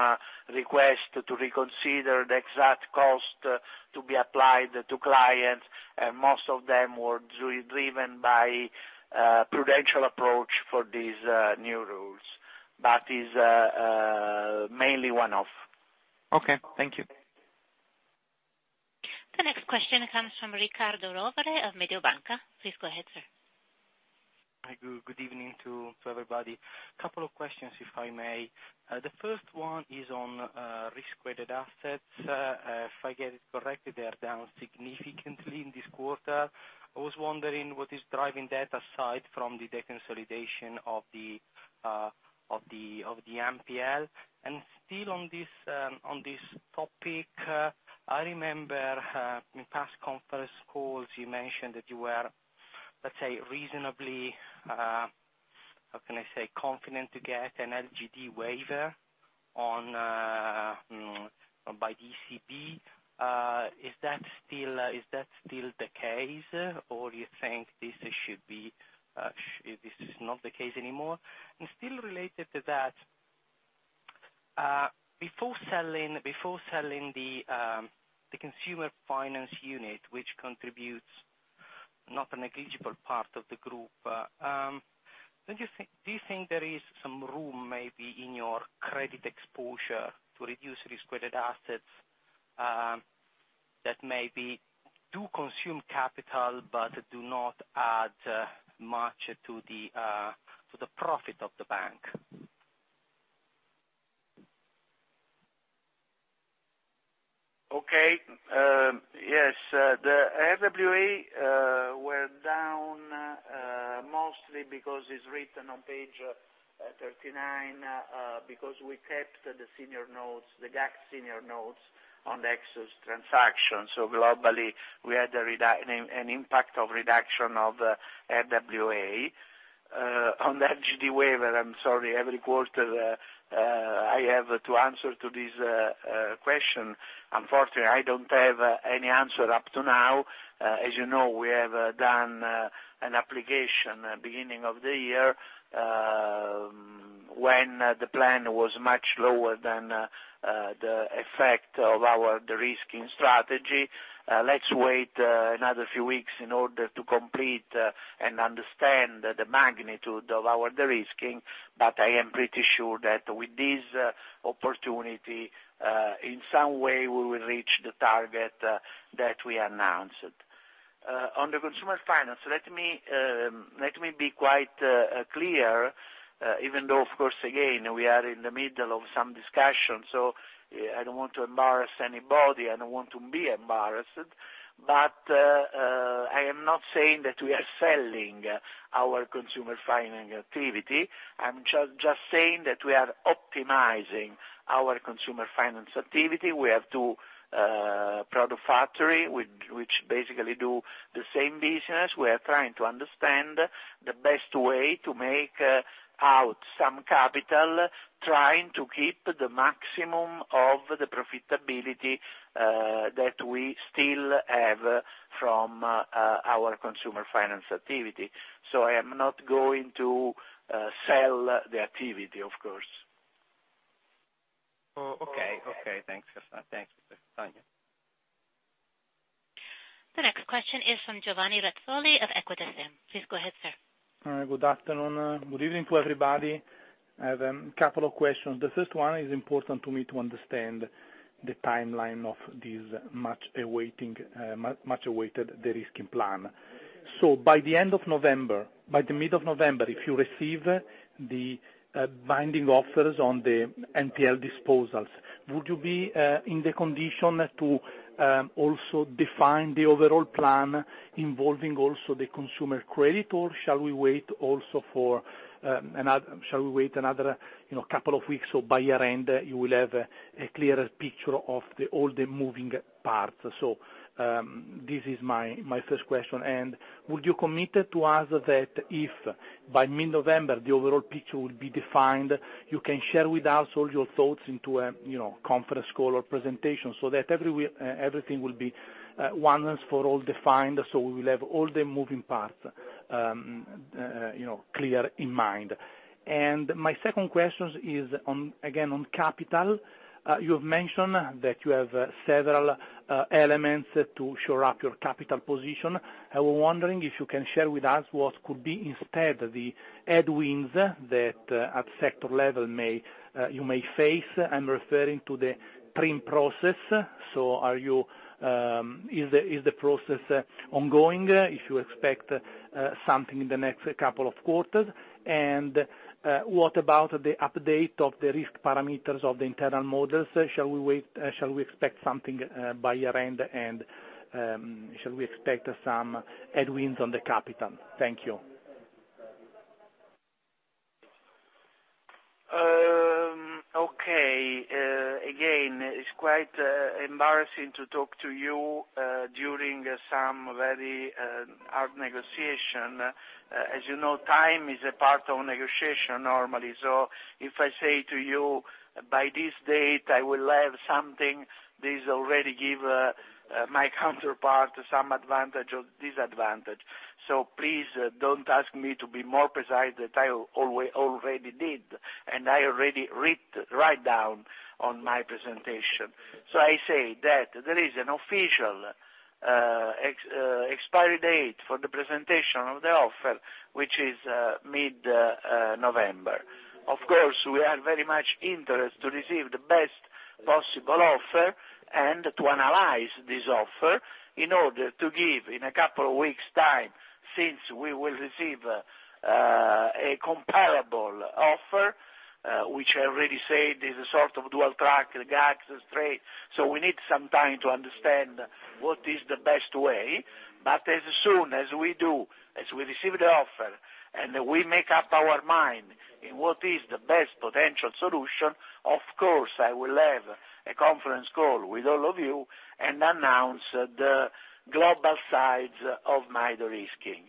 request to reconsider the exact cost to be applied to clients, and most of them were driven by prudential approach for these new rules. Is mainly one-off. Okay. Thank you. The next question comes from Riccardo Rovere of Mediobanca. Please go ahead, sir. Hi, good evening to everybody. Couple of questions, if I may. The first one is on risk-weighted assets. If I get it correctly, they are down significantly in this quarter. I was wondering what is driving that aside from the deconsolidation of the NPL. Still on this topic, I remember in past conference calls, you mentioned that you were, let's say reasonably, how can I say, confident to get an LGD waiver by ECB. Is that still the case, or you think this is not the case anymore? Still related to that, before selling the consumer finance unit, which contributes not a negligible part of the group, do you think there is some room maybe in your credit exposure to reduce risk-weighted assets, that maybe do consume capital but do not add much to the profit of the bank? Okay. Yes, the RWA were down mostly because it's written on page 39, because we kept the GACS senior notes on the Exodus transaction. Globally, we had an impact of reduction of RWA. On LGD waiver, I'm sorry, every quarter, I have to answer to this question. Unfortunately, I don't have any answer up to now. As you know, we have done an application beginning of the year, when the plan was much lower than the effect of our de-risking strategy. Let's wait another few weeks in order to complete and understand the magnitude of our de-risking, but I am pretty sure that with this opportunity, in some way, we will reach the target that we announced. On the consumer finance, let me be quite clear, even though, of course, again, we are in the middle of some discussions, I don't want to embarrass anybody, I don't want to be embarrassed. I am not saying that we are selling our consumer finance activity. I'm just saying that we are optimizing our consumer finance activity. We have two product factory, which basically do the same business. We are trying to understand the best way to make out some capital, trying to keep the maximum of the profitability that we still have from our consumer finance activity. I am not going to sell the activity, of course. Okay. Thanks, Castagna. The next question is from Giovanni Razzoli of Equita SIM. Please go ahead, sir. Good afternoon. Good evening to everybody. I have a couple of questions. The first one is important to me to understand the timeline of this much awaited de-risking plan. By mid-November, if you receive the binding offers on the NPL disposals, would you be in the condition to also define the overall plan involving also the consumer credit, or shall we wait another couple of weeks or by year-end, you will have a clearer picture of all the moving parts? This is my first question. Would you commit to us that if by mid-November, the overall picture will be defined, you can share with us all your thoughts into a conference call or presentation that everything will be once and for all defined, we will have all the moving parts clear in mind. My second question is, again, on capital. You have mentioned that you have several elements to shore up your capital position. I was wondering if you can share with us what could be instead the headwinds that at sector level you may face. I'm referring to the TRIM process. Is the process ongoing? If you expect something in the next couple of quarters, what about the update of the risk parameters of the internal models? Shall we expect something by year-end shall we expect some headwinds on the capital? Thank you. Okay. Again, it's quite embarrassing to talk to you during some very hard negotiation. As you know, time is a part of negotiation normally. If I say to you, by this date, I will have something, this already give my counterpart some advantage or disadvantage. Please don't ask me to be more precise that I already did, I already write down on my presentation. I say that there is an official expiry date for the presentation of the offer, which is mid-November. Of course, we are very much interested to receive the best possible offer, to analyze this offer in order to give in a couple of weeks time, since we will receive a comparable offer, which I already said is a sort of dual track, GACS trade. We need some time to understand what is the best way. As soon as we do, as we receive the offer, we make up our mind in what is the best potential solution, of course, I will have a conference call with all of you announce the global sides of my de-risking.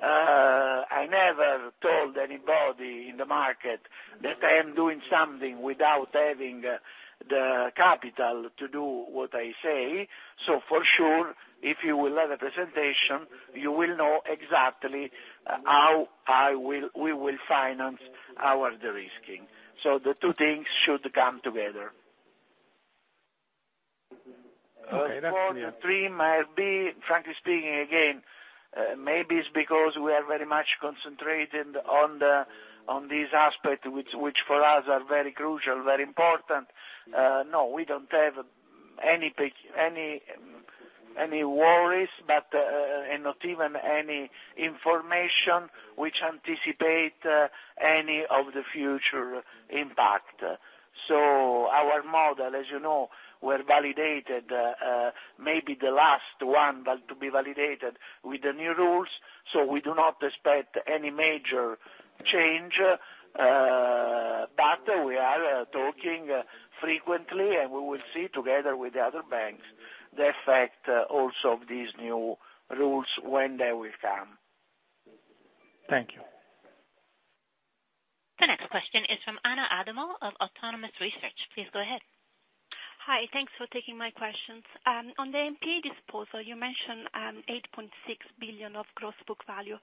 I never told anybody in the market that I am doing something without having the capital to do what I say. For sure, if you will have a presentation, you will know exactly how we will finance our de-risking. The two things should come together. Okay, that's clear. Four, three might be, frankly speaking again, maybe it's because we are very much concentrated on these aspects which for us are very crucial, very important. We don't have any worries, and not even any information which anticipate any of the future impact. Our model, as you know, were validated, maybe the last one to be validated with the new rules, so we do not expect any major change. We are talking frequently, and we will see together with the other banks, the effect also of these new rules when they will come. Thank you. The next question is from Anna Adamo of Autonomous Research. Please go ahead. Hi. Thanks for taking my questions. On the NPL disposal, you mentioned 8.6 billion of gross book value.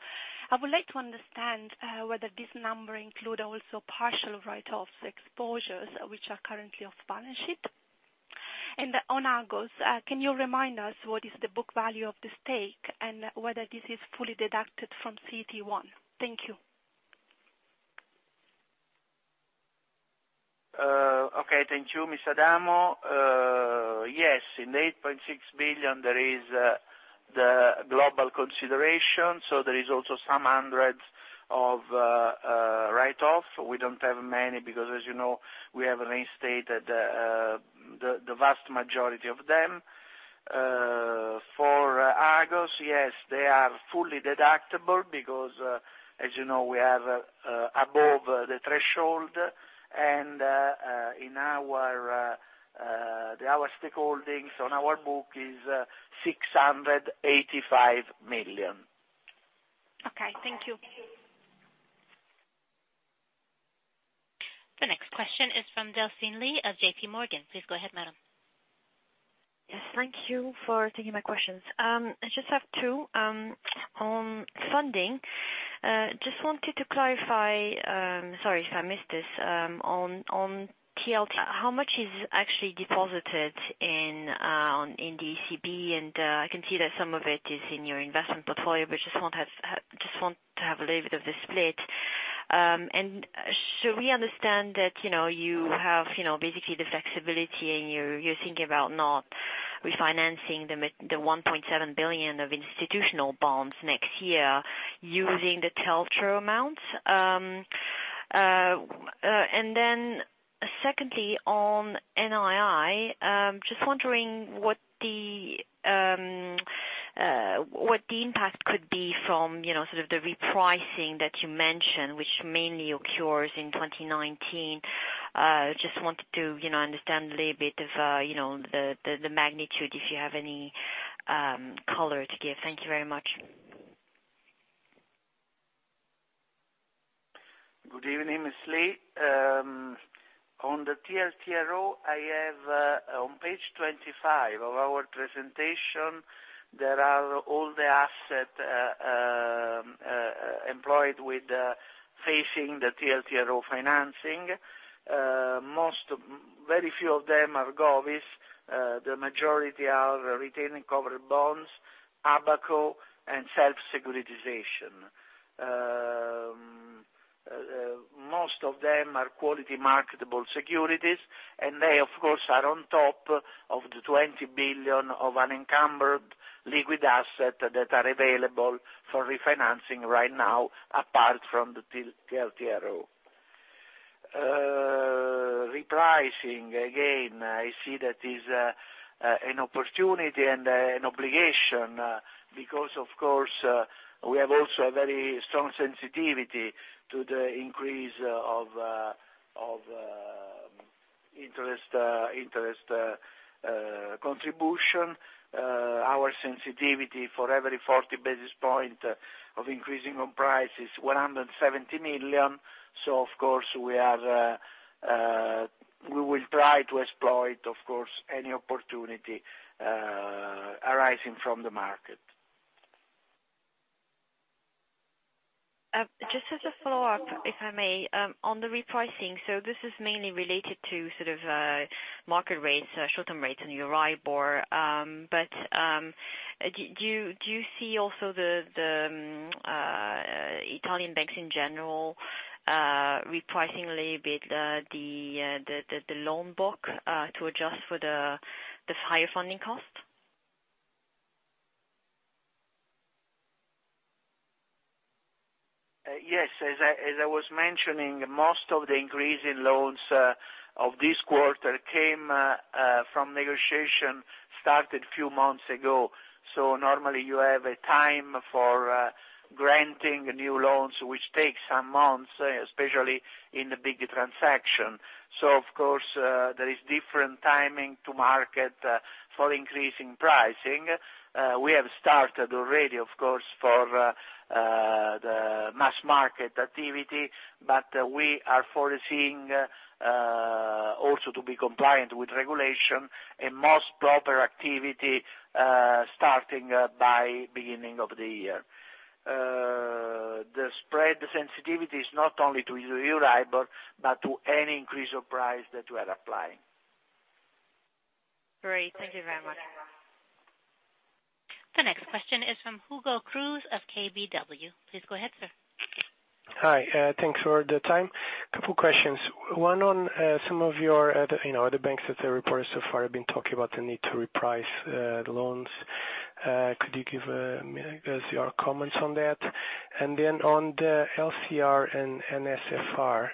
I would like to understand whether this number include also partial write-offs exposures, which are currently off balance sheet. On Agos, can you remind us what is the book value of the stake, and whether this is fully deducted from CET1? Thank you. Okay. Thank you, Ms. Adamo. Yes, in 8.6 billion, there is the global consideration, so there is also some hundreds of write-off. We don't have many because, as you know, we have reinstated the vast majority of them. For Agos, yes, they are fully deductible because, as you know, we are above the threshold, and our stakeholdings on our book is 685 million. Okay, thank you. The next question is from Delphine Lee of J.P. Morgan. Please go ahead, madam. Yes, thank you for taking my questions. I just have two. On funding, just wanted to clarify, sorry if I missed this, on TLTRO, how much is actually deposited in the ECB, and I can see that some of it is in your investment portfolio, but just want to have a little bit of the split. Should we understand that you have basically the flexibility and you're thinking about not refinancing the 1.7 billion of institutional bonds next year using the TLTRO amounts? Secondly, on NII, just wondering what the impact could be from the repricing that you mentioned, which mainly occurs in 2019. Just wanted to understand a little bit of the magnitude, if you have any color to give. Thank you very much. Good evening, Ms. Lee. On the TLTRO, I have on page 25 of our presentation, there are all the assets employed with facing the TLTRO financing. Very few of them are Govies. The majority are retaining cover bonds, ABS, and self-securitization. Most of them are quality marketable securities, and they of course, are on top of the 20 billion of unencumbered liquid asset that are available for refinancing right now, apart from the TLTRO. Repricing, again, I see that is an opportunity and an obligation because, of course, we have also a very strong sensitivity to the increase of interest contribution. Our sensitivity for every 40 basis points of increasing on price is 170 million, so of course, we will try to exploit, of course, any opportunity arising from the market. Just as a follow-up, if I may, on the repricing. This is mainly related to market rates, short-term rates on EURIBOR. Do you see also the Italian banks in general repricing a little bit the loan book to adjust for this higher funding cost? Yes. As I was mentioning, most of the increase in loans of this quarter came from negotiation started a few months ago. Normally you have a time for granting new loans, which takes some months, especially in the big transaction. Of course, there is different timing to market for increasing pricing. We have started already, of course, for the mass market activity, but we are foreseeing also to be compliant with regulation in most proper activity starting by beginning of the year. The spread sensitivity is not only to EURIBOR, but to any increase of price that we are applying. Great. Thank you very much. The next question is from Hugo Cruz of KBW. Please go ahead, sir. Hi. Thanks for the time. Couple questions. One on some of your other banks that have reported so far have been talking about the need to reprice the loans. Could you give us your comments on that? Then on the LCR and NSFR,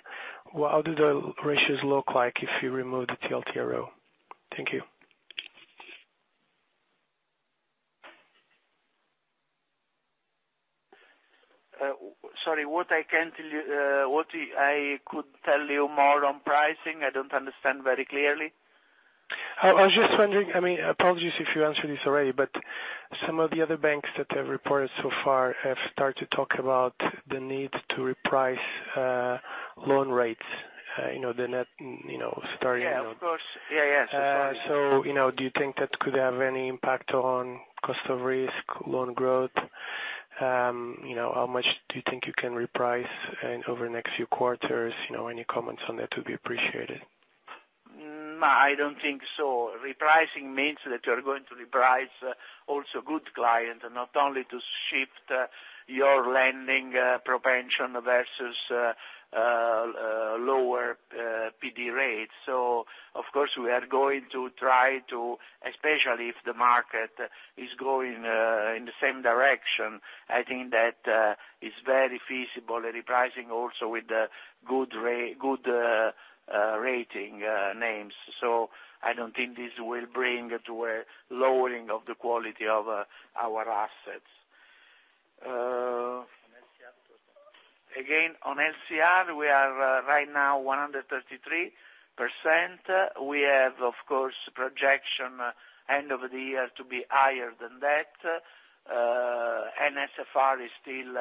how do the ratios look like if you remove the TLTRO? Thank you. Sorry, what I could tell you more on pricing? I don't understand very clearly. I was just wondering, apologies if you answered this already, but some of the other banks that have reported so far have started to talk about the need to reprice loan rates. Yeah, of course. Yes. Do you think that could have any impact on cost of risk, loan growth? How much do you think you can reprice over the next few quarters? Any comments on that would be appreciated. I don't think so. Repricing means that you are going to reprice also good client and not only to shift your lending propension versus lower PD rates. Of course, we are going to try to, especially if the market is going in the same direction, I think that it's very feasible, repricing also with the good rating names. I don't think this will bring to a lowering of the quality of our assets. Again, on LCR, we are right now 133%. We have, of course, projection end of the year to be higher than that. NSFR is still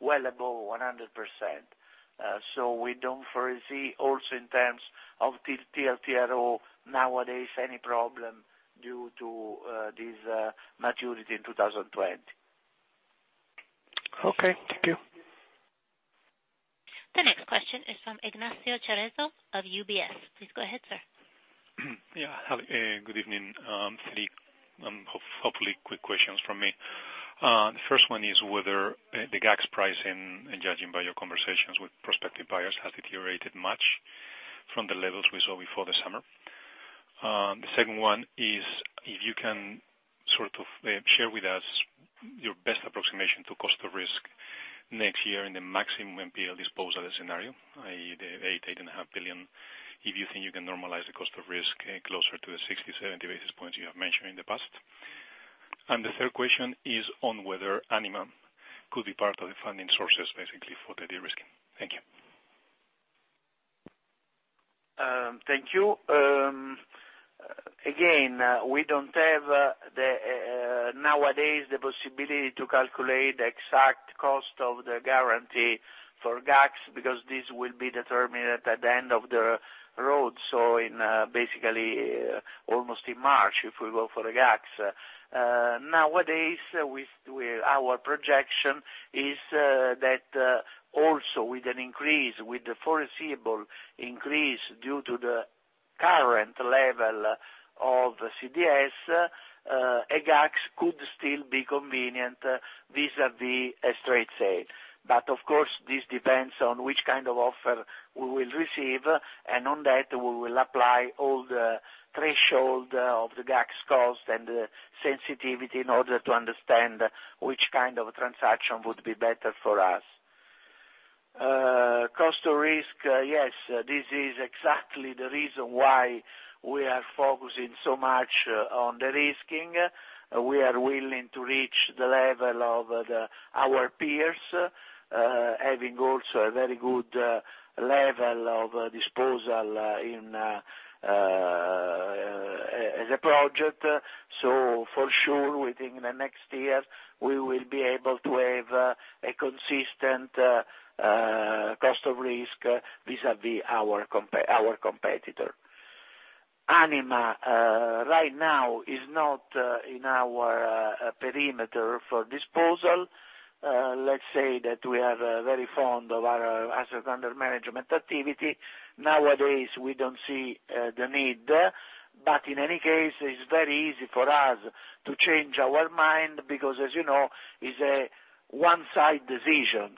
well above 100%. We don't foresee also in terms of TLTRO nowadays any problem due to this maturity in 2020. Okay, thank you. The next question is from Ignacio Cerezo of UBS. Please go ahead, sir. Good evening, Giuseppe. Hopefully quick questions from me. The first one is whether the GACS price, and judging by your conversations with prospective buyers, has deteriorated much from the levels we saw before the summer. The second one is if you can sort of share with us your best approximation to cost of risk next year in the maximum NPL disposal scenario, i.e., the 8 billion, 8.5 billion, if you think you can normalize the cost of risk closer to the 60, 70 basis points you have mentioned in the past. The third question is on whether Anima could be part of the funding sources, basically for the de-risking. Thank you. Thank you. We don't have nowadays the possibility to calculate the exact cost of the guarantee for GACS because this will be determined at the end of the road. In basically almost in March, if we go for a GACS. Nowadays, our projection is that also with an increase, with the foreseeable increase due to the current level of CDS, a GACS could still be convenient vis-à-vis a straight sale. Of course, this depends on which kind of offer we will receive, and on that we will apply all the threshold of the GACS cost and sensitivity in order to understand which kind of transaction would be better for us. Cost of risk, yes, this is exactly the reason why we are focusing so much on de-risking. We are willing to reach the level of our peers, having also a very good level of disposal as a project. For sure, within the next year, we will be able to have a consistent cost of risk vis-à-vis our competitor. Anima, right now is not in our perimeter for disposal. Let's say that we are very fond of our asset under management activity. Nowadays, we don't see the need. In any case, it's very easy for us to change our mind because as you know, it's a one-side decision.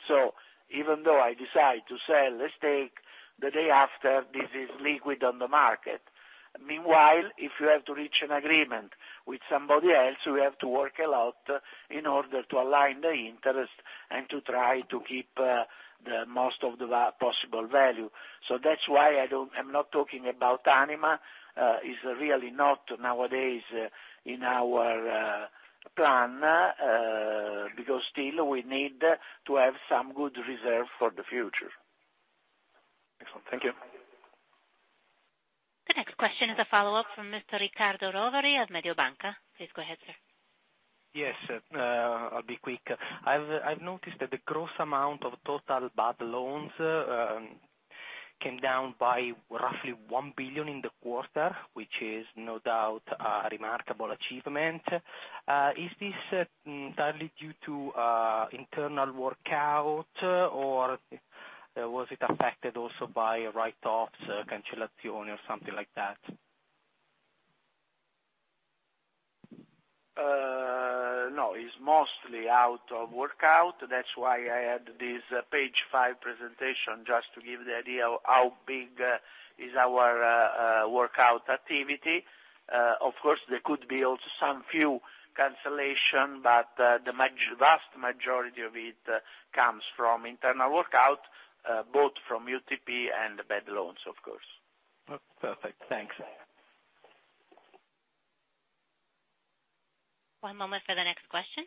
Even though I decide to sell a stake, the day after this is liquid on the market. Meanwhile, if you have to reach an agreement with somebody else, we have to work a lot in order to align the interest and to try to keep the most of the possible value. That's why I'm not talking about Anima. It's really not nowadays in our plan, because still we need to have some good reserve for the future. Excellent. Thank you. The next question is a follow-up from Mr. Riccardo Rovere of Mediobanca. Please go ahead, sir. Yes. I'll be quick. I've noticed that the gross amount of total bad loans came down by roughly 1 billion in the quarter, which is no doubt a remarkable achievement. Is this entirely due to internal workout, or was it affected also by write-offs, cancellazione or something like that? It's mostly out of workout. That's why I had this page five presentation, just to give the idea of how big is our workout activity. Of course, there could be also some few cancellation, but the vast majority of it comes from internal workout, both from UTP and bad loans, of course. Perfect. Thanks. One moment for the next question.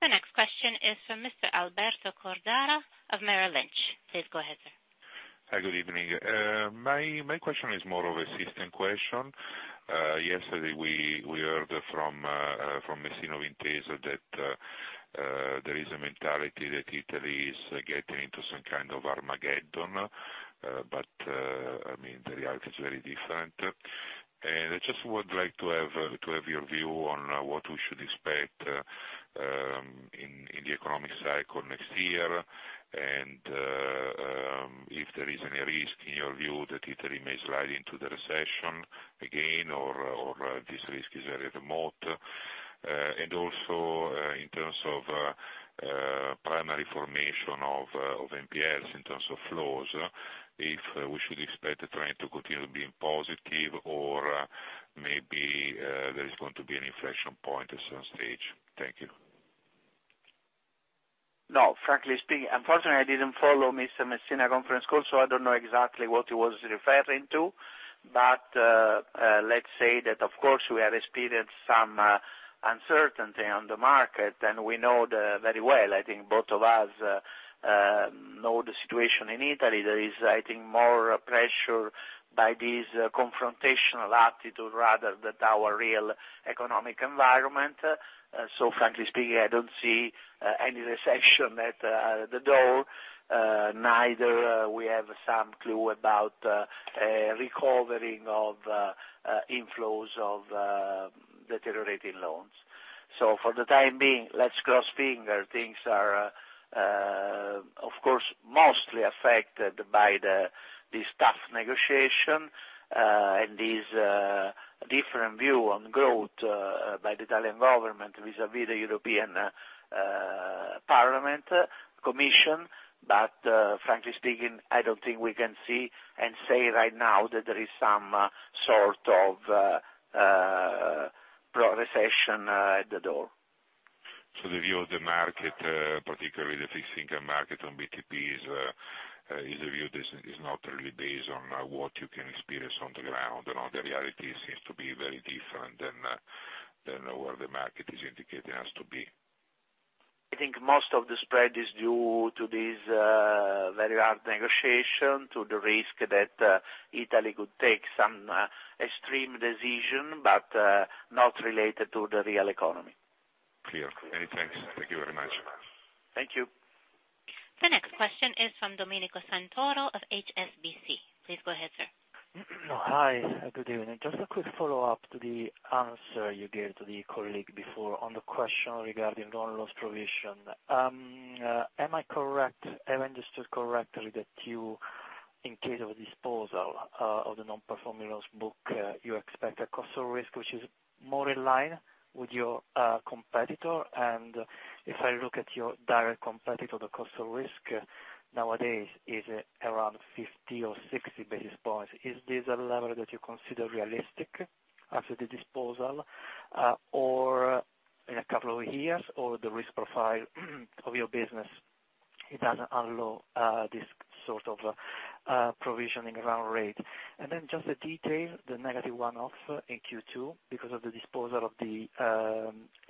The next question is from Mr. Alberto Cordara of Merrill Lynch. Please go ahead, sir. Hi, good evening. My question is more of a system question. Yesterday we heard from Messina Intesa that there is a mentality that Italy is getting into some kind of Armageddon. The reality is very different. I just would like to have your view on what we should expect in the economic cycle next year and if there is any risk in your view that Italy may slide into the recession again or this risk is very remote. Also, in terms of primary formation of NPLs in terms of flows, if we should expect the trend to continue being positive or maybe there is going to be an inflection point at some stage. Thank you. No, frankly speaking, unfortunately, I didn't follow Mr. Messina conference call, I don't know exactly what he was referring to. Let's say that, of course, we have experienced some uncertainty on the market, and we know very well. I think both of us know the situation in Italy. There is, I think, more pressure by this confrontational attitude rather than our real economic environment. Frankly speaking, I don't see any recession at the door. Neither we have some clue about recovering of inflows of deteriorating loans. For the time being, let's cross finger. Things are, of course, mostly affected by this tough negotiation, and this different view on growth by the Italian government vis-à-vis the European Commission. Frankly speaking, I don't think we can see and say right now that there is some sort of pro-recession at the door. The view of the market, particularly the fixed income market on BTPs, is a view that is not really based on what you can experience on the ground or not. The reality seems to be very different than where the market is indicating us to be. I think most of the spread is due to this very hard negotiation, to the risk that Italy could take some extreme decision, not related to the real economy. Clear. Many thanks. Thank you very much. Thank you. The next question is from Domenico Santoro of HSBC. Please go ahead, sir. Hi, good evening. Just a quick follow-up to the answer you gave to the colleague before on the question regarding loan loss provision. Have I understood correctly that you, in case of a disposal of the non-performing loans book, you expect a cost of risk which is more in line with your competitor? If I look at your direct competitor, the cost of risk nowadays is around 50 or 60 basis points. Is this a level that you consider realistic after the disposal, or in a couple of years, or the risk profile of your business, it doesn't allow this sort of provisioning run rate? Then just a detail, the negative one-off in Q2 because of the disposal of the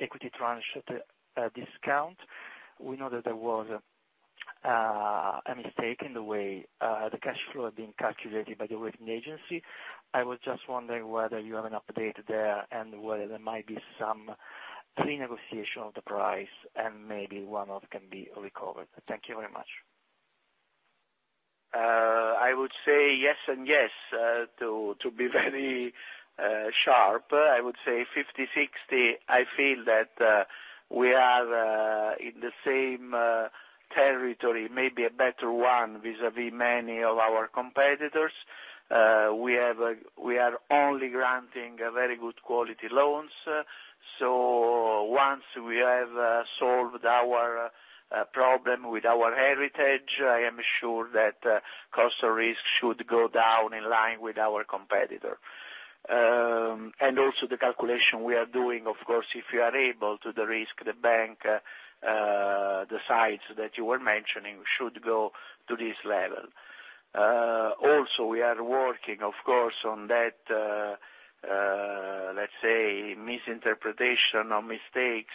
equity tranche discount. We know that there was a mistake in the way the cash flow had been calculated by the rating agency. I was just wondering whether you have an update there and whether there might be some renegotiation of the price, and maybe one-off can be recovered. Thank you very much. I would say yes and yes. To be very sharp, I would say 50, 60. I feel that we are in the same territory, maybe a better one vis-à-vis many of our competitors. We are only granting very good quality loans. Once we have solved our problem with our heritage, I am sure that cost of risk should go down in line with our competitor. Also, the calculation we are doing, of course, if you are able to de-risk the bank, the sights that you were mentioning should go to this level. Also, we are working, of course, on that, let's say misinterpretation or mistakes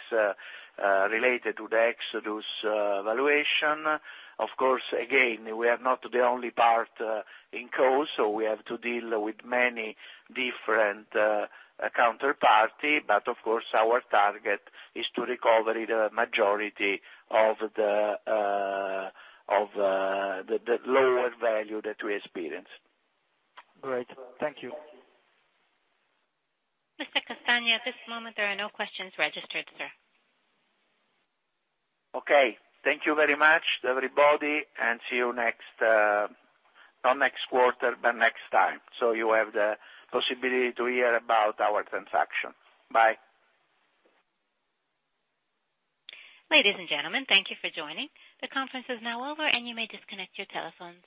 related to the Project Exodus valuation. Of course, again, we are not the only part in cause, so we have to deal with many different counterparty. Of course, our target is to recover the majority of the lower value that we experienced. Great. Thank you. Mr. Castagna, at this moment, there are no questions registered, sir. Okay. Thank you very much, everybody, and see you next, not next quarter, but next time. You have the possibility to hear about our transaction. Bye. Ladies and gentlemen, thank you for joining. The conference is now over, and you may disconnect your telephones.